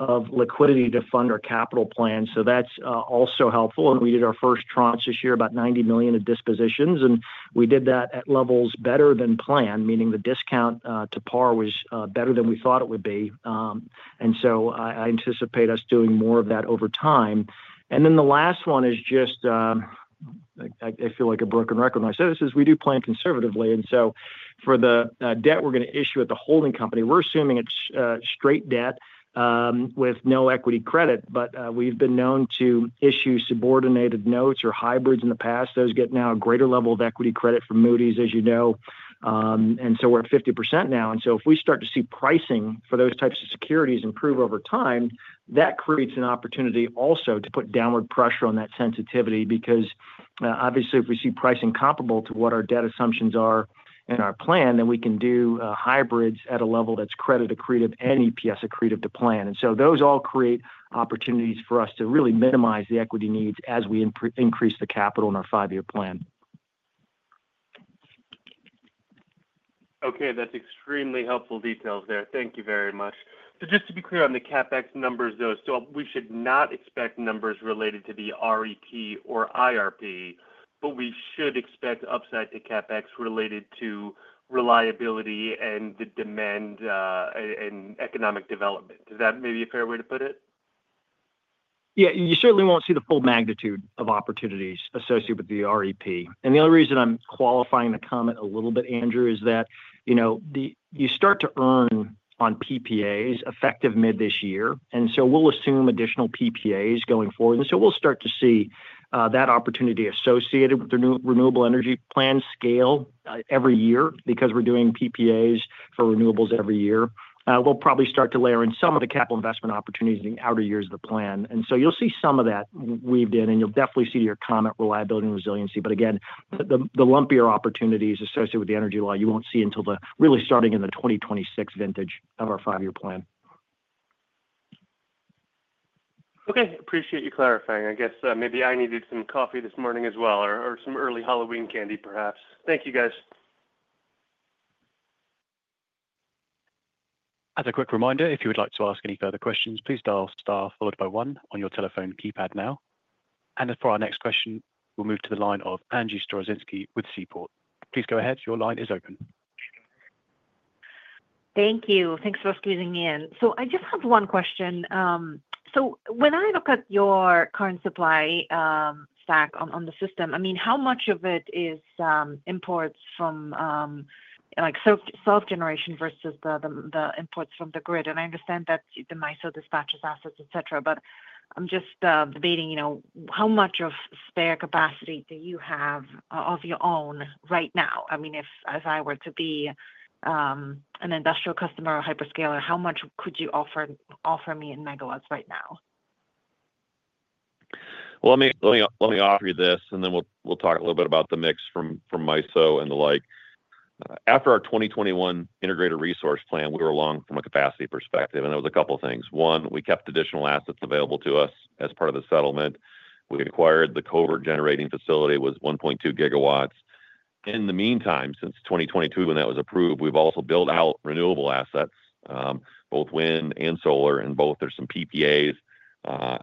of liquidity to fund our capital plan, so that's also helpful, and we did our first tranche this year, about $90 million of dispositions. And we did that at levels better than planned, meaning the discount to par was better than we thought it would be. And so I anticipate us doing more of that over time. And then the last one is just I feel like a broken record when I say this. We do plan conservatively. And so for the debt we're going to issue at the holding company, we're assuming it's straight debt with no equity credit. But we've been known to issue subordinated notes or hybrids in the past. Those get now a greater level of equity credit from Moody's, as you know. And so we're at 50% now. And so if we start to see pricing for those types of securities improve over time, that creates an opportunity also to put downward pressure on that sensitivity because, obviously, if we see pricing comparable to what our debt assumptions are in our plan, then we can do hybrids at a level that's credit accretive and EPS accretive to plan. And so those all create opportunities for us to really minimize the equity needs as we increase the capital in our five year plan. Okay. That's extremely helpful details there. Thank you very much. So just to be clear on the CapEx numbers, though, we should not expect numbers related to the REP or IRP, but we should expect upside to CapEx related to reliability and the demand and economic development. Does that maybe a fair way to put it? Yeah. You certainly won't see the full magnitude of opportunities associated with the REP. And the only reason I'm qualifying the comment a little bit, Andrew, is that you start to earn on PPAs effective mid this year. And so we'll assume additional PPAs going forward. And so we'll start to see that opportunity associated with the Renewable Energy Plan scale every year because we're doing PPAs for renewables every year. We'll probably start to layer in some of the capital investment opportunities in the outer years of the plan. And so you'll see some of that weaved in, and you'll definitely see your comment, reliability and resiliency. But again, the lumpier opportunities associated with the energy law, you won't see until really starting in the 2026 vintage of our five year plan. Okay. Appreciate you clarifying. I guess maybe I needed some coffee this morning as well or some early Halloween candy, perhaps. Thank you, guys. As a quick reminder, if you would like to ask any further questions, please dial star followed by 1 on your telephone keypad now. And for our next question, we'll move to the line of Angie Storozynski with Seaport. Please go ahead. Your line is open. Thank you. Thanks for squeezing me in. So I just have one question. So when I look at your current supply stack on the system, I mean, how much of it is imports from self-generation versus the imports from the grid? And I understand that the MISO dispatches assets, etc., but I'm just debating how much of spare capacity do you have of your own right now? I mean, if I were to be an industrial customer or hyperscaler, how much could you offer me in megawatts right now? Let me offer you this, and then we'll talk a little bit about the mix from MISO and the like. After our 2021 Integrated Resource Plan, we were long from a capacity perspective. And there was a couple of things. One, we kept additional assets available to us as part of the settlement. We acquired the Covert generating facility. It was 1.2 GWs. In the meantime, since 2022, when that was approved, we've also built out renewable assets, both wind and solar, and both there's some PPAs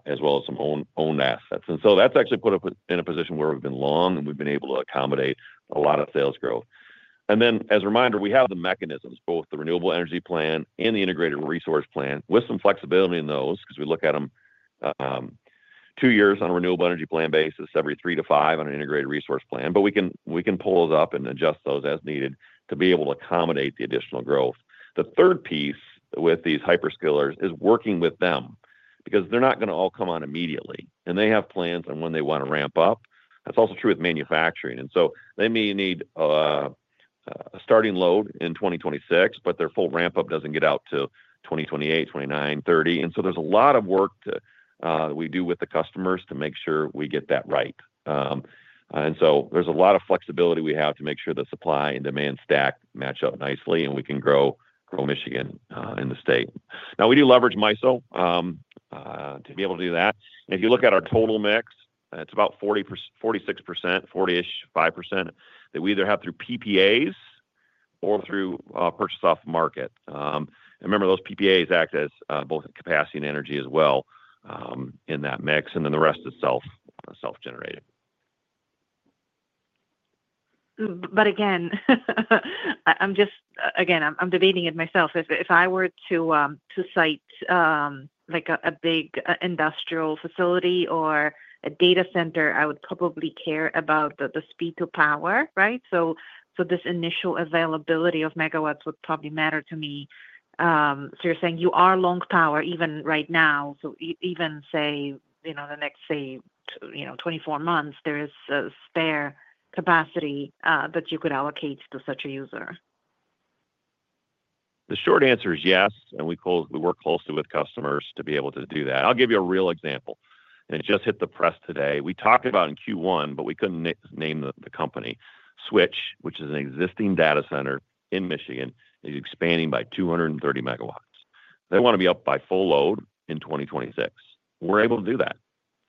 as well as some owned assets. And so that's actually put us in a position where we've been long, and we've been able to accommodate a lot of sales growth. And then, as a reminder, we have the mechanisms, both the Renewable Energy Plan and the Integrated Resource Plan, with some flexibility in those because we look at them two years on a Renewable Energy Plan basis, every three to five on an Integrated Resource Plan. But we can pull those up and adjust those as needed to be able to accommodate the additional growth. The third piece with these hyperscalers is working with them because they're not going to all come on immediately. And they have plans on when they want to ramp up. That's also true with manufacturing. And so they may need a starting load in 2026, but their full ramp-up doesn't get out to 2028, 2029, 2030. And so there's a lot of work that we do with the customers to make sure we get that right. And so there's a lot of flexibility we have to make sure the supply and demand stack match up nicely, and we can grow Michigan in the state. Now, we do leverage MISO to be able to do that. And if you look at our total mix, it's about 46%, 40-ish%, 5% that we either have through PPAs or through purchase off-market. And remember, those PPAs act as both capacity and energy as well in that mix, and then the rest is self-generated. But again, again, I'm debating it myself. If I were to cite a big industrial facility or a data center, I would probably care about the speed to power, right? So this initial availability of megawatts would probably matter to me. So you're saying you are long power even right now. So even, say, the next, say, 24 months, there is spare capacity that you could allocate to such a user. The short answer is yes. And we work closely with customers to be able to do that. I'll give you a real example. And it just hit the press today. We talked about in Q1, but we couldn't name the company, Switch, which is an existing data center in Michigan, is expanding by 230 MW. They want to be up by full load in 2026. We're able to do that.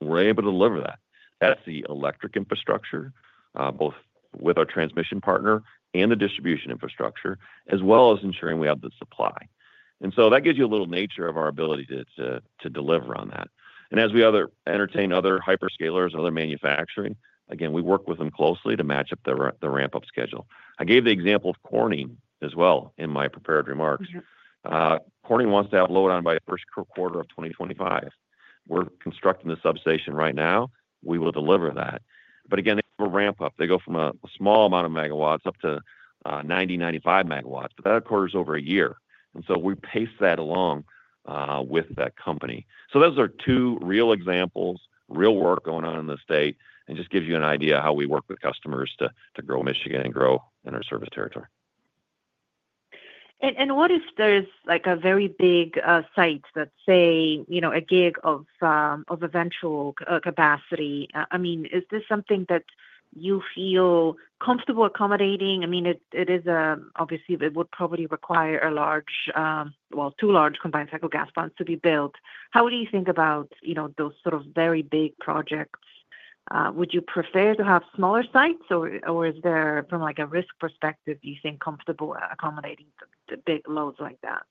We're able to deliver that. That's the electric infrastructure, both with our transmission partner and the distribution infrastructure, as well as ensuring we have the supply. And so that gives you a little nature of our ability to deliver on that. And as we entertain other hyperscalers and other manufacturing, again, we work with them closely to match up the ramp-up schedule. I gave the example of Corning as well in my prepared remarks. Corning wants to have load on by the first quarter of 2025. We're constructing the substation right now. We will deliver that, but again, they have a ramp-up. They go from a small amount of megawatts up to 90-95 MW. But that occurs over a year, and so we pace that along with that company, so those are two real examples, real work going on in the state, and just gives you an idea how we work with customers to grow Michigan and grow in our service territory. What if there's a very big site that, say, a gigawatt of electrical capacity? I mean, is this something that you feel comfortable accommodating? I mean, obviously, it would probably require a large, well, two large combined cycle gas plants to be built. How do you think about those sort of very big projects? Would you prefer to have smaller sites, or is there, from a risk perspective, do you think, comfortable accommodating the big loads like that?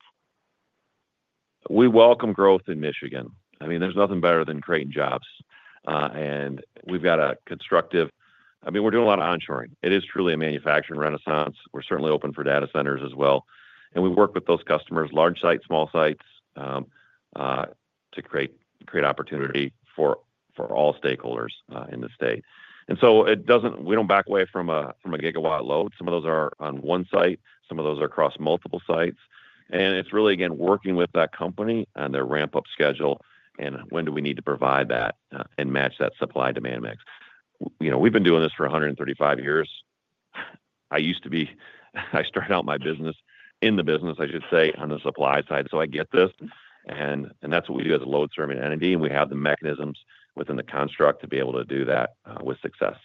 We welcome growth in Michigan. I mean, there's nothing better than creating jobs. And we've got a constructive, I mean, we're doing a lot of onshoring. It is truly a manufacturing renaissance. We're certainly open for data centers as well. And we work with those customers, large sites, small sites, to create opportunity for all stakeholders in the state. And so we don't back away from a gigawatt load. Some of those are on one site. Some of those are across multiple sites. And it's really, again, working with that company and their ramp-up schedule and when do we need to provide that and match that supply-demand mix. We've been doing this for 135 years. I used to be, I started out my business in the business, I should say, on the supply side. So I get this. And that's what we do as a load-serving entity. We have the mechanisms within the construct to be able to do that with success.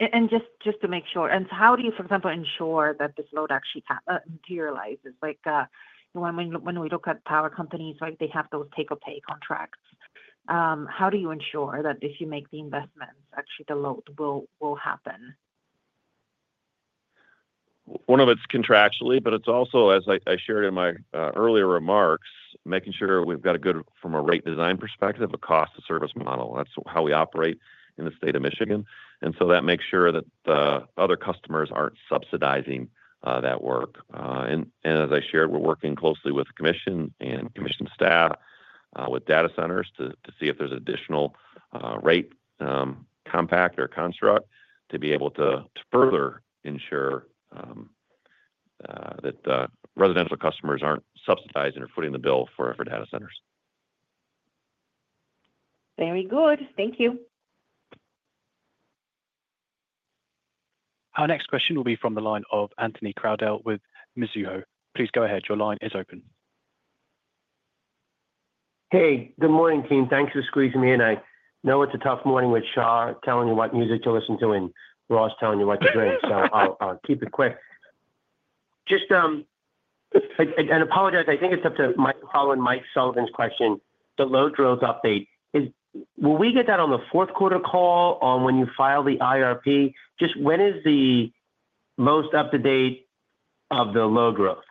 Just to make sure, how do you, for example, ensure that this load actually materializes? When we look at power companies, they have those take-or-pay contracts. How do you ensure that if you make the investments, actually the load will happen? One of its is contractually, but it's also, as I shared in my earlier remarks, making sure we've got a good, from a rate design perspective, a cost-to-service model. That's how we operate in the state of Michigan. And so that makes sure that the other customers aren't subsidizing that work. And as I shared, we're working closely with commission and commission staff with data centers to see if there's additional rate compact or construct to be able to further ensure that residential customers aren't subsidizing or footing the bill for data centers. Very good. Thank you. Our next question will be from the line of Anthony Crowdell with Mizuho. Please go ahead. Your line is open. Hey, good morning, team. Thanks for squeezing me in. I know it's a tough morning with Shah telling you what music to listen to and Ross telling you what to drink. So I'll keep it quick. Just an apology. I think it's up to me following Mike Sullivan's question. The load growth update, will we get that on the fourth quarter call or when you file the IRP? Just when is the most up-to-date load growth?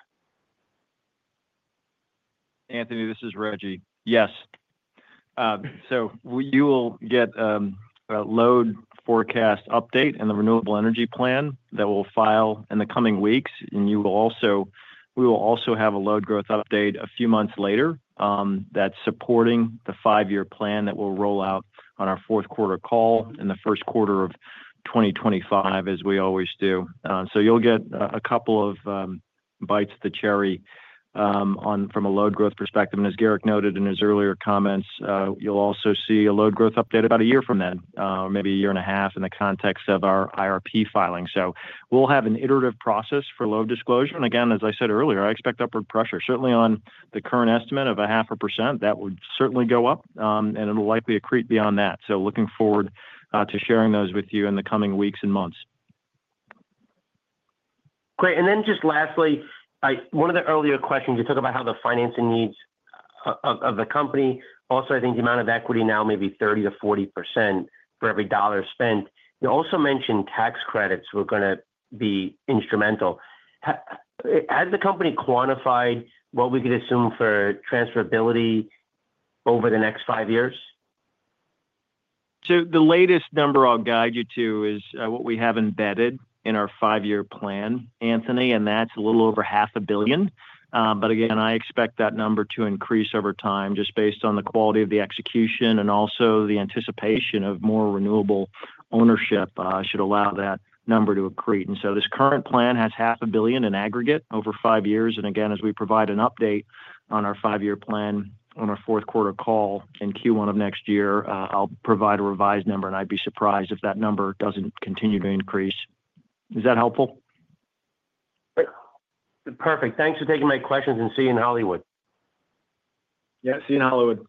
Anthony, this is Rejji. Yes, so you will get a load forecast update and the Renewable Energy Plan that we'll file in the coming weeks, and we will also have a load growth update a few months later that's supporting the five year plan that we'll roll out on our fourth quarter call in the first quarter of 2025, as we always do, so you'll get a couple of bites of the cherry from a load growth perspective, and as Garrick noted in his earlier comments, you'll also see a load growth update about a year from then or maybe a year and a half in the context of our IRP filing, so we'll have an iterative process for load disclosure, and again, as I said earlier, I expect upward pressure. Certainly, on the current estimate of 0.5%, that would certainly go up, and it'll likely accrete beyond that. So looking forward to sharing those with you in the coming weeks and months. Great. And then just lastly, one of the earlier questions, you talked about how the financing needs of the company. Also, I think the amount of equity now may be 30%-40% for every dollar spent. You also mentioned tax credits were going to be instrumental. Has the company quantified what we could assume for transferability over the next five years? The latest number I'll guide you to is what we have embedded in our five year plan, Anthony, and that's a little over $500 million. But again, I expect that number to increase over time just based on the quality of the execution and also the anticipation of more renewable ownership should allow that number to accrete. This current plan has $500 million in aggregate over five years. And again, as we provide an update on our five year plan on our fourth quarter call in Q1 of next year, I'll provide a revised number, and I'd be surprised if that number doesn't continue to increase. Is that helpful? Great. Perfect. Thanks for taking my questions, and see you in Hollywood. Yeah, see you in Hollywood.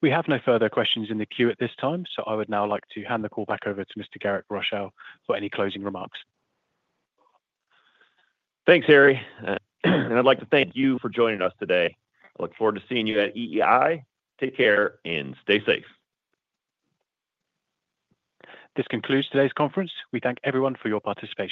We have no further questions in the queue at this time. So I would now like to hand the call back over to Mr. Garrick Rochow for any closing remarks. Thanks, Harry. And I'd like to thank you for joining us today. I look forward to seeing you at EEI. Take care and stay safe. This concludes today's conference. We thank everyone for your participation.